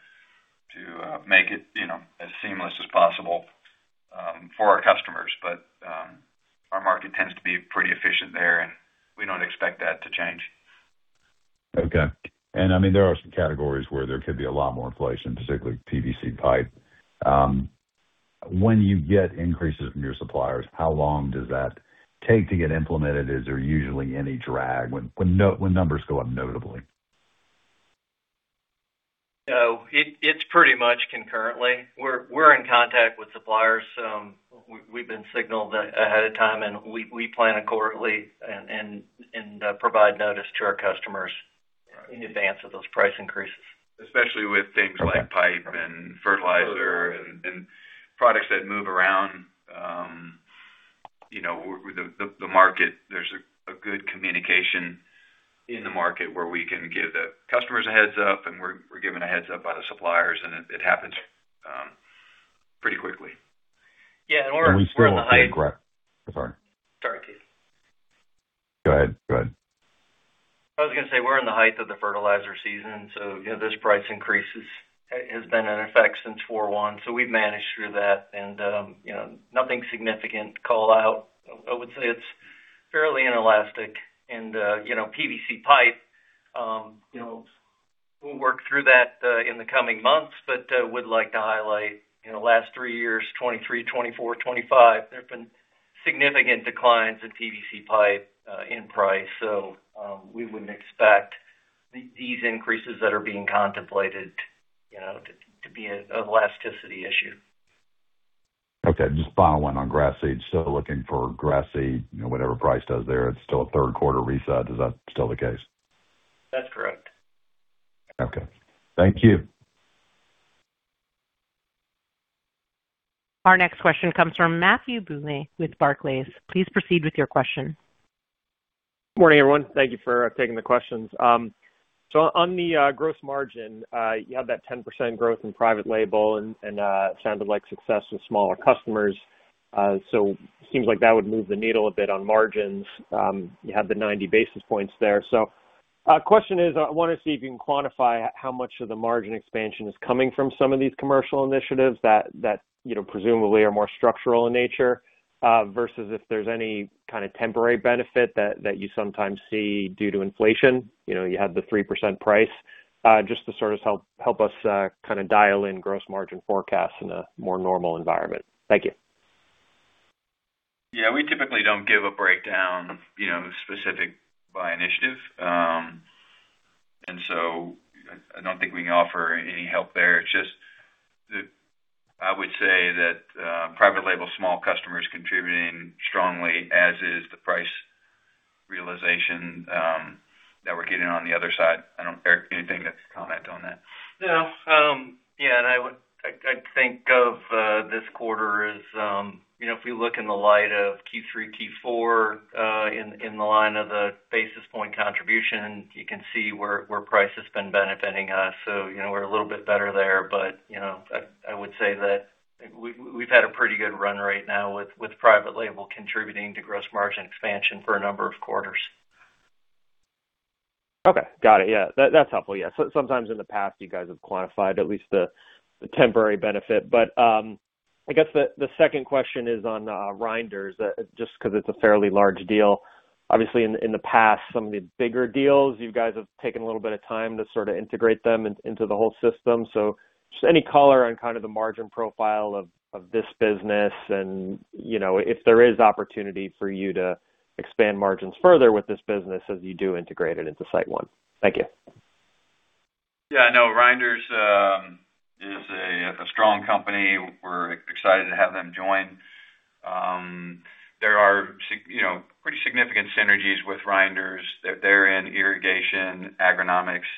C: to make it, you know, as seamless as possible for our customers. Our market tends to be pretty efficient there, and we don't expect that to change.
H: Okay. I mean, there are some categories where there could be a lot more inflation, particularly PVC pipe. When you get increases from your suppliers, how long does that take to get implemented? Is there usually any drag when numbers go up notably?
B: No, it's pretty much concurrently. We're in contact with suppliers, we've been signaled ahead of time, and we plan accordingly and provide notice to our customers in advance of those price increases.
C: Especially with things like pipe and fertilizer and products that move around, you know, the market. There's a good communication in the market where we can give the customers a heads-up and we're given a heads-up by the suppliers, and it happens pretty quickly.
B: Yeah.
H: We still expect.
B: We're in the height.
H: Correct. Sorry.
B: Sorry, Keith.
H: Go ahead. Go ahead.
B: I was going to say we're in the height of the fertilizer season, you know, this price increases has been in effect since 4/1. We've managed through that and, you know, nothing significant to call out. I would say it's fairly inelastic and, you know, PVC pipe, you know, we'll work through that in the coming months, but would like to highlight, you know, last three years, 2023, 2024, 2025, there have been significant declines in PVC pipe in price. We wouldn't expect these increases that are being contemplated, you know, to be an elasticity issue.
H: Okay. Just final one on grass seed. Looking for grass seed, you know, whatever price does there, it's still a third quarter reset. Is that still the case?
B: That's correct.
H: Okay. Thank you.
A: Our next question comes from Matthew Bouley with Barclays. Please proceed with your question.
I: Morning, everyone. Thank you for taking the questions. On the gross margin, you have that 10% growth in private label and sounded like success with smaller customers. Seems like that would move the needle a bit on margins. You have the 90 basis points there. Question is, I want to see if you can quantify how much of the margin expansion is coming from some of these commercial initiatives that, you know, presumably are more structural in nature versus if there's any kind of temporary benefit that you sometimes see due to inflation. You know, you have the 3% price. Just to sort of help us kind of dial in gross margin forecasts in a more normal environment. Thank you.
C: Yeah, we typically don't give a breakdown, you know, specific by initiative. I don't think we can offer any help there. I would say that private label small customers contributing strongly, as is the price realization that we're getting on the other side. Eric, anything to comment on that?
B: No. I think of this quarter as, you know, if we look in the light of Q3, Q4, in the line of the basis point contribution, you can see where price has been benefiting us. You know, we're a little bit better there. You know, I would say that we've had a pretty good run right now with private label contributing to gross margin expansion for a number of quarters.
I: Okay. Got it. Yeah. That, that's helpful. Yeah. Sometimes in the past, you guys have quantified at least the temporary benefit. I guess the second question is on Reinders, just 'cause it's a fairly large deal. Obviously, in the past, some of the bigger deals, you guys have taken a little bit of time to sort of integrate them into the whole system. Just any color on kind of the margin profile of this business and, you know, if there is opportunity for you to expand margins further with this business as you do integrate it into SiteOne. Thank you.
C: Yeah, no, Reinders is a strong company. We're excited to have them join. There are, you know, pretty significant synergies with Reinders. They're in irrigation, agronomics,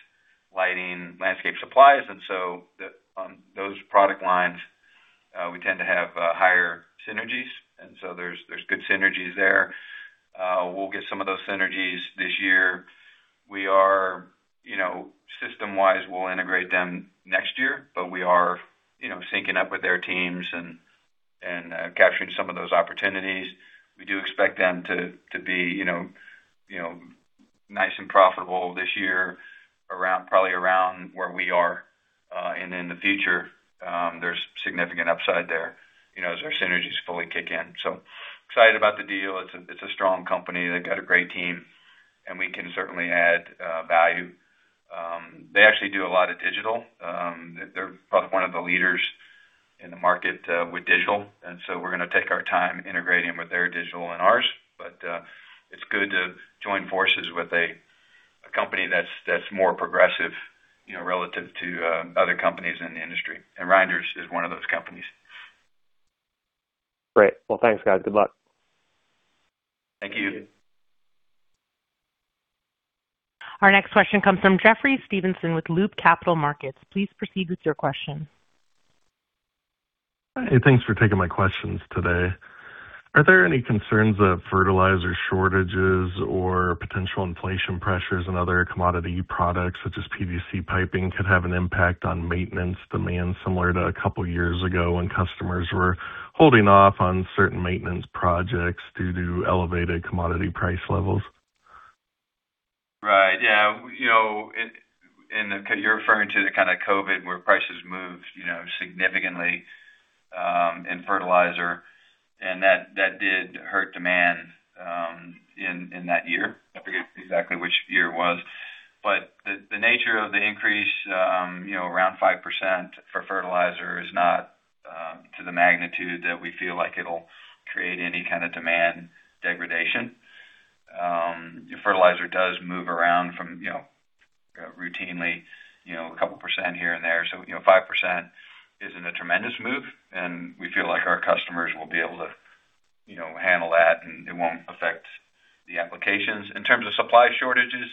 C: lighting, landscape supplies. On those product lines, we tend to have higher synergies, there's good synergies there. We'll get some of those synergies this year. We are, you know, system-wise, we'll integrate them next year, but we are, you know, syncing up with their teams and capturing some of those opportunities. We do expect them to be, you know, you know, nice and profitable this year probably around where we are. In the future, there's significant upside there, you know, as our synergies fully kick in. Excited about the deal. It's a strong company. They've got a great team, we can certainly add value. They actually do a lot of digital. They're probably one of the leaders in the market with digital, we're gonna take our time integrating with their digital and ours. It's good to join forces with a company that's more progressive, you know, relative to other companies in the industry, Reinders is one of those companies.
I: Great. Well, thanks, guys. Good luck.
C: Thank you.
A: Our next question comes from Jeffrey Stevenson with Loop Capital Markets. Please proceed with your question.
J: Hey, thanks for taking my questions today. Are there any concerns that fertilizer shortages or potential inflation pressures and other commodity products such as PVC piping could have an impact on maintenance demand similar to a couple years ago when customers were holding off on certain maintenance projects due to elevated commodity price levels?
C: Right. Yeah. You know, because you're referring to the kind of COVID, where prices moved, you know, significantly in fertilizer, and that did hurt demand in that year. I forget exactly which year it was. The nature of the increase, you know, around 5% for fertilizer is not to the magnitude that we feel like it'll create any kind of demand degradation. Fertilizer does move around from, you know, routinely, you know, a couple percent here and there. You know, 5% isn't a tremendous move, and we feel like our customers will be able to, you know, handle that, and it won't affect the applications. In terms of supply shortages,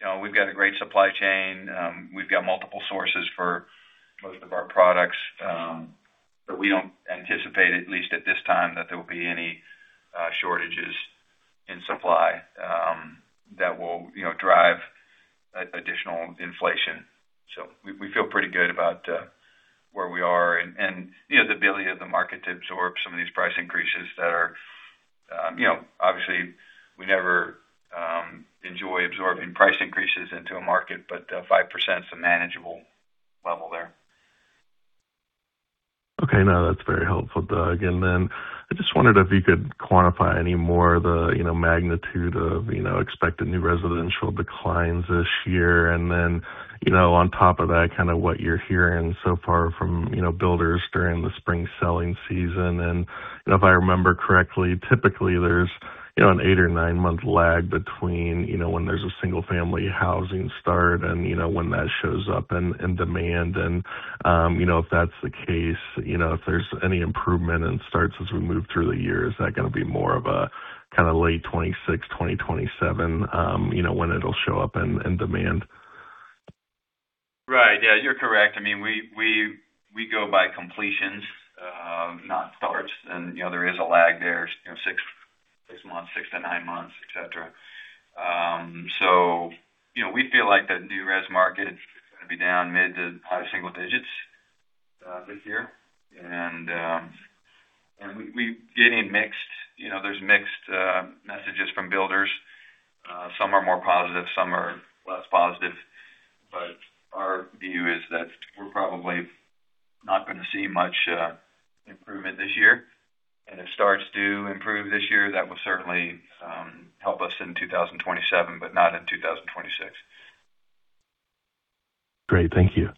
C: you know, we've got a great supply chain. We've got multiple sources for most of our products. We don't anticipate, at least at this time, that there will be any shortages in supply that will, you know, drive additional inflation. We feel pretty good about where we are and, you know, the ability of the market to absorb some of these price increases. You know, obviously, we never enjoy absorbing price increases into a market, 5%'s a manageable level there.
J: Okay. No, that's very helpful, Doug. I just wondered if you could quantify any more the, you know, magnitude of, you know, expected new residential declines this year. On top of that, you know, kind of what you're hearing so far from, you know, builders during the spring selling season. If I remember correctly, you know, typically there's, you know, an eight or nine-month lag between, you know, when there's a single-family housing start and, you know, when that shows up in demand. If that's the case, you know, if there's any improvement and starts as we move through the year, is that going to be more of a kind of late 2026, 2027, you know, when it'll show up in demand?
C: Right. Yeah, you're correct. I mean, we go by completions, not starts. You know, there is a lag there, you know, 6-9 months, et cetera. You know, we feel like the new res market is gonna be down mid to high single digits this year. We're getting mixed, you know, there's mixed messages from builders. Some are more positive, some are less positive. Our view is that we're probably not gonna see much improvement this year. If starts do improve this year, that will certainly help us in 2027, but not in 2026.
J: Great. Thank you.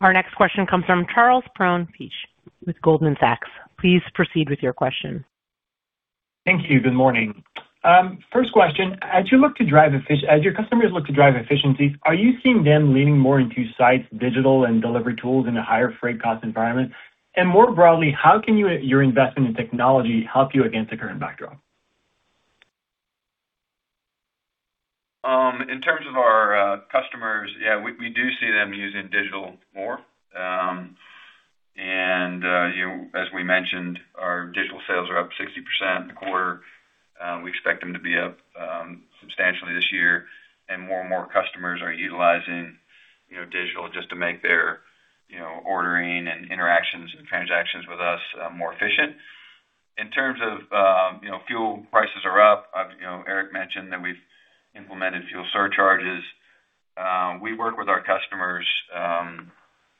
A: Our next question comes from Charles Perron-Piché with Goldman Sachs. Please proceed with your question.
K: Thank you. Good morning. First question, as you look to drive as your customers look to drive efficiencies, are you seeing them leaning more into Site's digital and delivery tools in a higher freight cost environment? More broadly, how can you, your investment in technology help you against the current backdrop?
C: In terms of our customers, we do see them using digital more. You know, as we mentioned, our digital sales are up 60% in the quarter. We expect them to be up substantially this year, and more and more customers are utilizing, you know, digital just to make their, you know, ordering and interactions and transactions with us more efficient. In terms of, you know, fuel prices are up. You know, Eric mentioned that we've implemented fuel surcharges. We work with our customers,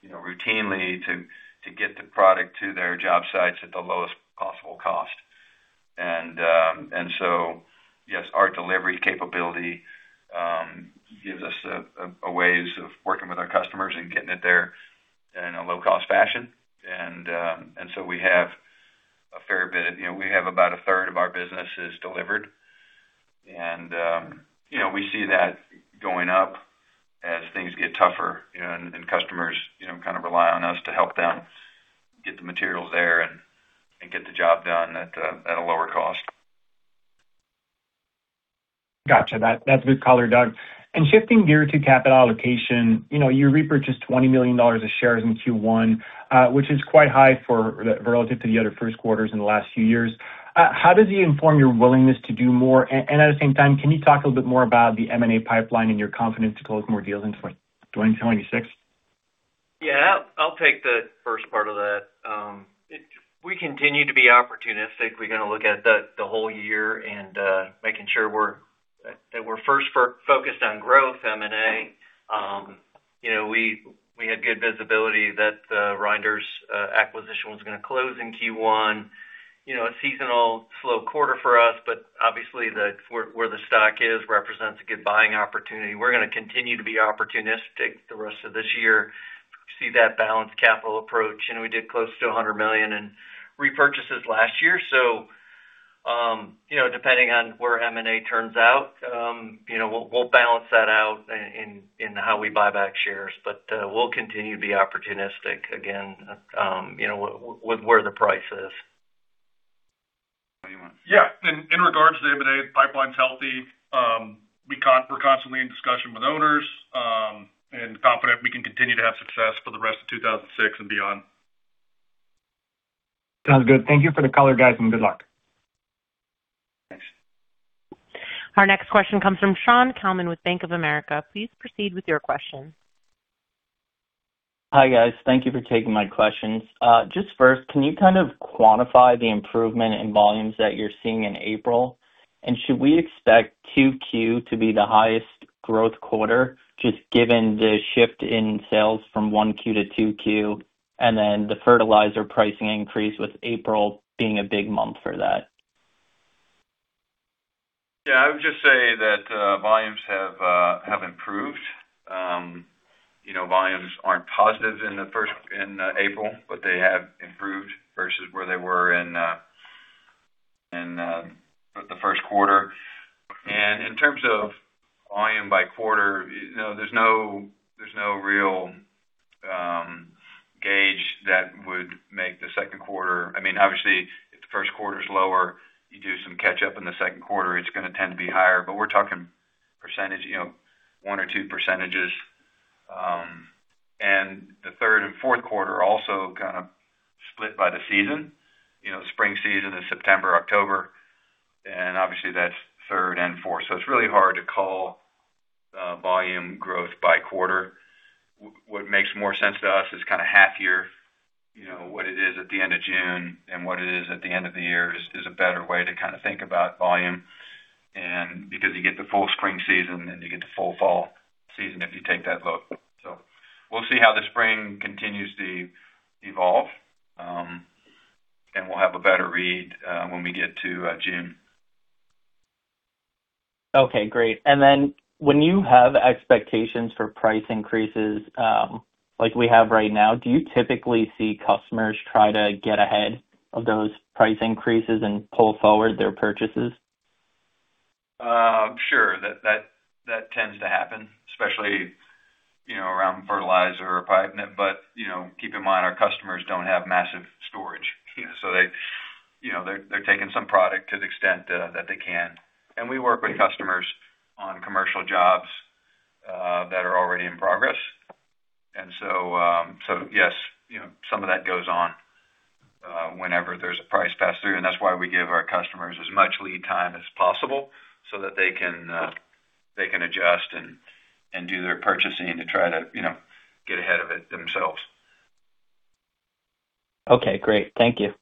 C: you know, routinely to get the product to their job sites at the lowest possible cost. Our delivery capability gives us a ways of working with our customers and getting it there in a low-cost fashion. We have a fair bit. You know, we have about a third of our business is delivered. You know, we see that going up as things get tougher, you know, and customers, you know, kind of rely on us to help them get the materials there and get the job done at a lower cost.
K: Got you. That's a good color, Doug. Shifting gear to capital allocation, you know, you repurchased $20 million of shares in Q1, which is quite high relative to the other first quarters in the last few years. How does it inform your willingness to do more? At the same time, can you talk a little bit more about the M&A pipeline and your confidence to close more deals in 2026?
B: Yeah. I'll take the first part of that. We continue to be opportunistic. We're gonna look at the whole year and making sure we're first focused on growth, M&A. You know, we had good visibility that the Reinders acquisition was gonna close in Q1. You know, a seasonal slow quarter for us, but obviously where the stock is represents a good buying opportunity. We're gonna continue to be opportunistic the rest of this year. See that balanced capital approach. We did close to $100 million in repurchases last year. You know, depending on where M&A turns out, you know, we'll balance that out in how we buy back shares. We'll continue to be opportunistic again, you know, with where the price is.
D: Yeah. In regards to M&A, pipeline's healthy. We're constantly in discussion with owners, and confident we can continue to have success for the rest of 2006 and beyond.
K: Sounds good. Thank you for the color, guys, and good luck.
C: Thanks.
A: Our next question comes from Shaun Calnan with Bank of America. Please proceed with your question.
L: Hi, guys. Thank you for taking my questions. Just first, can you kind of quantify the improvement in volumes that you're seeing in April? Should we expect 2Q to be the highest growth quarter, just given the shift in sales from 1Q to 2Q, and then the fertilizer pricing increase, with April being a big month for that?
C: Yeah. I would just say that volumes have improved. You know, volumes are not positive in April, but they have improved versus where they were in the first quarter. In terms of volume by quarter, you know, there's no, there's no real gauge that would make the second quarter. I mean, obviously, if the first quarter is lower, you do some catch up in the second quarter, it's going to tend to be higher. We're talking percentage, you know, 1% or 2%. The third and fourth quarter also kind of split by the season. You know, spring season is September, October, obviously that's third and fourth. It's really hard to call volume growth by quarter. What makes more sense to us is kinda half year, you know, what it is at the end of June and what it is at the end of the year is a better way to kinda think about volume. Because you get the full spring season and you get the full fall season if you take that look. We'll see how the spring continues to evolve, and we'll have a better read when we get to June.
L: Okay, great. When you have expectations for price increases, like we have right now, do you typically see customers try to get ahead of those price increases and pull forward their purchases?
C: Sure. That tends to happen, especially. Some fertilizer or private. You know, keep in mind our customers don't have massive storage. They, you know, they're taking some product to the extent that they can. We work with customers on commercial jobs that are already in progress. So yes, you know, some of that goes on whenever there's a price pass-through, and that's why we give our customers as much lead time as possible so that they can adjust and do their purchasing to try to, you know, get ahead of it themselves.
L: Okay, great. Thank you.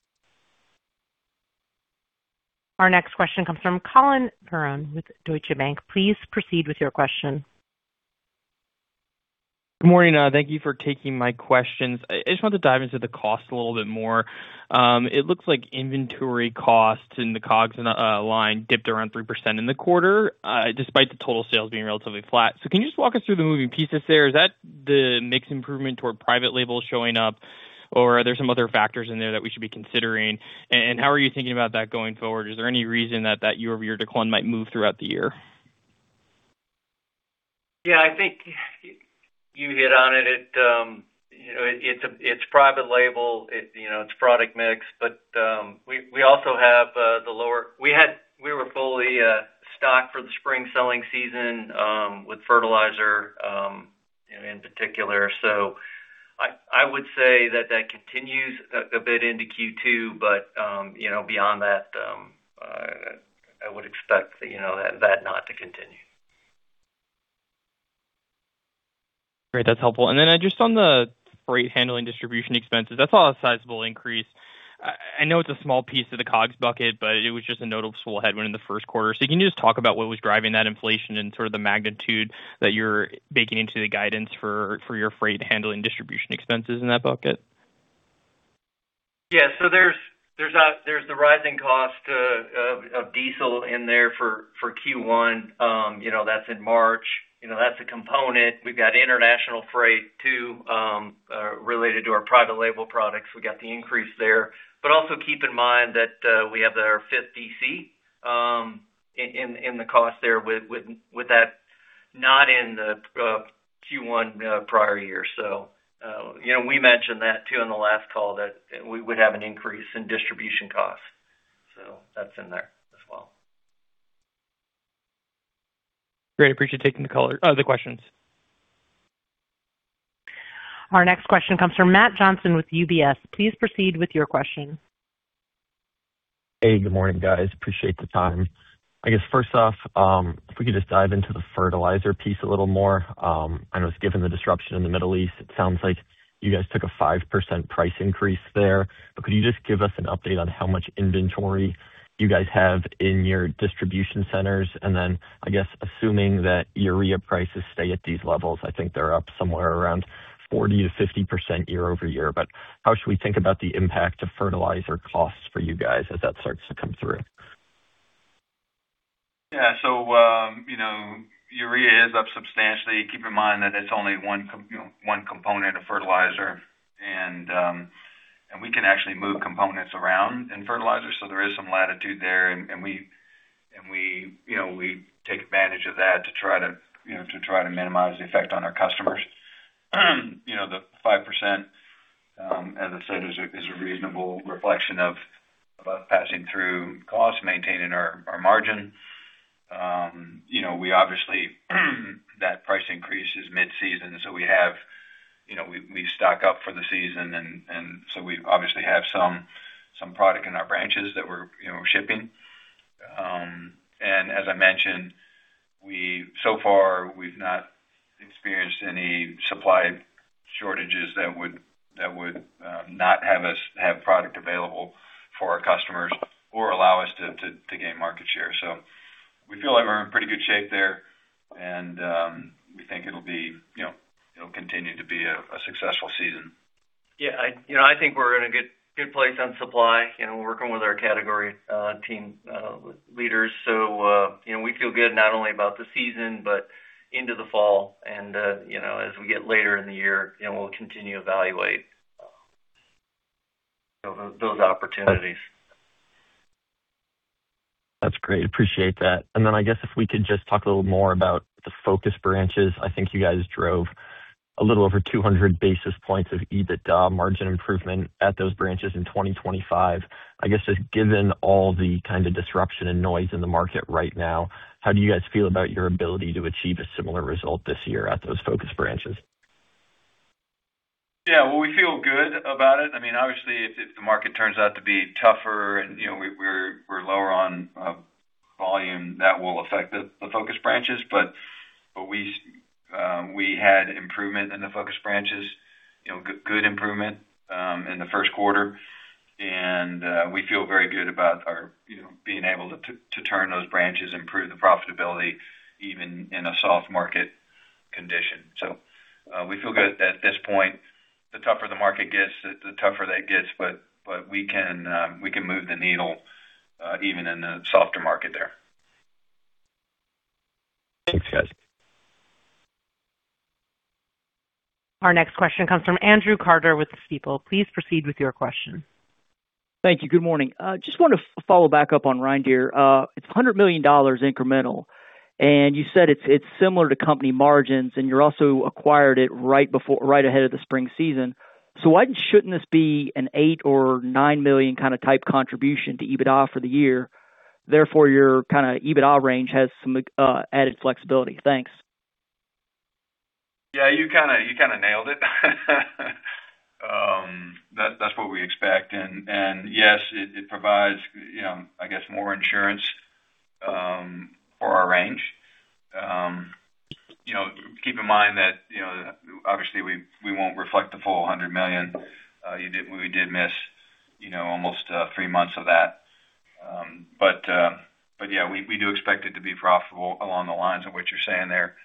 A: Our next question comes from Collin Verron with Deutsche Bank. Please proceed with your question.
M: Good morning. Thank you for taking my questions. I just want to dive into the cost a little bit more. It looks like inventory costs and the COGS line dipped around 3% in the quarter despite the total sales being relatively flat. Can you just walk us through the moving pieces there? Is that the mix improvement toward private label showing up, or are there some other factors in there that we should be considering? How are you thinking about that going forward? Is there any reason that year-over-year decline might move throughout the year?
B: Yeah, I think you hit on it. It, you know, it's private label. It, you know, it's product mix. We were fully stocked for the spring selling season with fertilizer, you know, in particular. I would say that continues a bit into Q2, but, you know, beyond that, I would expect, you know, that not to continue.
M: Great. That's helpful. Then just on the freight handling distribution expenses, that's all a sizable increase. I know it's a small piece of the COGS bucket, but it was just a notable headwind in the first quarter. Can you just talk about what was driving that inflation and sort of the magnitude that you're baking into the guidance for your freight handling distribution expenses in that bucket?
B: Yeah. There's the rising cost of diesel in there for Q1. You know, that's in March. You know, that's a component. We've got international freight too, related to our private label products. We got the increase there. Also keep in mind that we have our fifth DC in the cost there with that not in the Q1 prior year. You know, we mentioned that too in the last call that we would have an increase in distribution costs. That's in there as well.
M: Great. Appreciate you taking the call, the questions.
A: Our next question comes from Matthew Johnson with UBS. Please proceed with your question.
N: Hey, good morning, guys. Appreciate the time. I guess first off, if we could just dive into the fertilizer piece a little more. I know it's given the disruption in the Middle East, it sounds like you guys took a 5% price increase there. Could you just give us an update on how much inventory you guys have in your distribution centers? I guess assuming that urea prices stay at these levels, I think they're up somewhere around 40%-50% year-over-year. How should we think about the impact of fertilizer costs for you guys as that starts to come through?
C: You know, urea is up substantially. Keep in mind that it's only one, you know, one component of fertilizer. We can actually move components around in fertilizer, so there is some latitude there. We, you know, we take advantage of that to try to, you know, minimize the effect on our customers. You know, the 5%, as I said, is a reasonable reflection of us passing through costs, maintaining our margin. You know, we obviously that price increase is mid-season, so we have, you know, we stock up for the season, we obviously have some product in our branches that we're, you know, shipping. As I mentioned, so far we've not experienced any supply shortages that would not have us have product available for our customers or allow us to gain market share. We feel like we're in pretty good shape there. We think it'll be, you know, it'll continue to be a successful season.
B: Yeah. I, you know, I think we're in a good place on supply. You know, we're working with our category team leaders. You know, we feel good not only about the season but into the fall. You know, as we get later in the year, you know, we'll continue to evaluate those opportunities.
N: That's great. Appreciate that. I guess if we could just talk a little more about the focus branches. I think you guys drove a little over 200 basis points of EBITDA margin improvement at those branches in 2025. I guess, just given all the kind of disruption and noise in the market right now, how do you guys feel about your ability to achieve a similar result this year at those focus branches?
C: Well, we feel good about it. I mean, obviously, if the market turns out to be tougher and, you know, we're lower on volume, that will affect the focus branches. We had improvement in the focus branches, you know, good improvement in the first quarter. We feel very good about our, you know, being able to turn those branches, improve the profitability even in a soft market condition. We feel good at this point. The tougher the market gets, the tougher that gets. We can move the needle even in a softer market there.
N: Thanks, guys.
A: Our next question comes from Andrew Carter with Stifel. Please proceed with your question.
O: Thank you. Good morning. I just want to follow back up on Reinders. It's $100 million incremental, and you said it's similar to company margins, and you also acquired it right ahead of the spring season. Why shouldn't this be an $8 million-$9 million kinda type contribution to EBITDA for the year? Your kinda EBITDA range has some added flexibility. Thanks.
C: Yeah, you kinda nailed it. That's what we expect and yes, it provides, you know, I guess, more insurance for our range. You know, keep in mind that, you know, obviously, we won't reflect the full $100 million. We did miss, you know, almost three months of that. But yeah, we do expect it to be profitable along the lines of what you're saying there.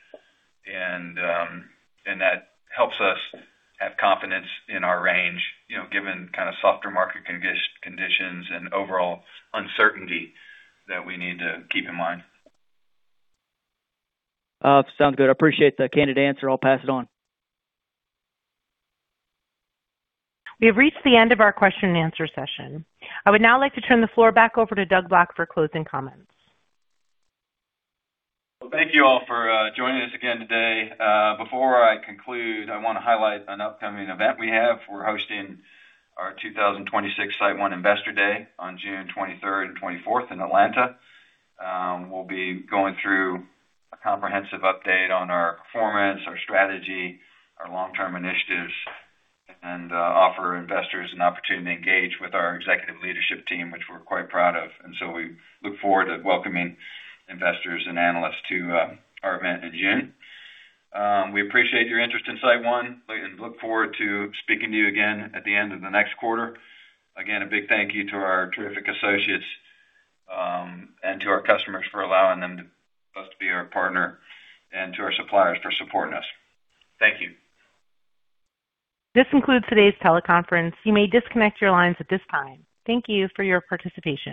C: That helps us have confidence in our range, you know, given kinda softer market conditions and overall uncertainty that we need to keep in mind.
O: Sounds good. I appreciate the candid answer. I'll pass it on.
A: We have reached the end of our question-and-answer session. I would now like to turn the floor back over to Doug Black for closing comments.
C: Thank you all for joining us again today. Before I conclude, I wanna highlight an upcoming event we have. We're hosting our 2026 SiteOne Investor Day on June 23rd and 24th in Atlanta. We'll be going through a comprehensive update on our performance, our strategy, our long-term initiatives, and offer investors an opportunity to engage with our executive leadership team, which we're quite proud of. So we look forward to welcoming investors and analysts to our event in June. We appreciate your interest in SiteOne and look forward to speaking to you again at the end of the next quarter. A big thank you to our terrific associates, and to our customers for allowing us to be your partner and to our suppliers for supporting us. Thank you.
A: This concludes today's teleconference. You may disconnect your lines at this time. Thank you for your participation.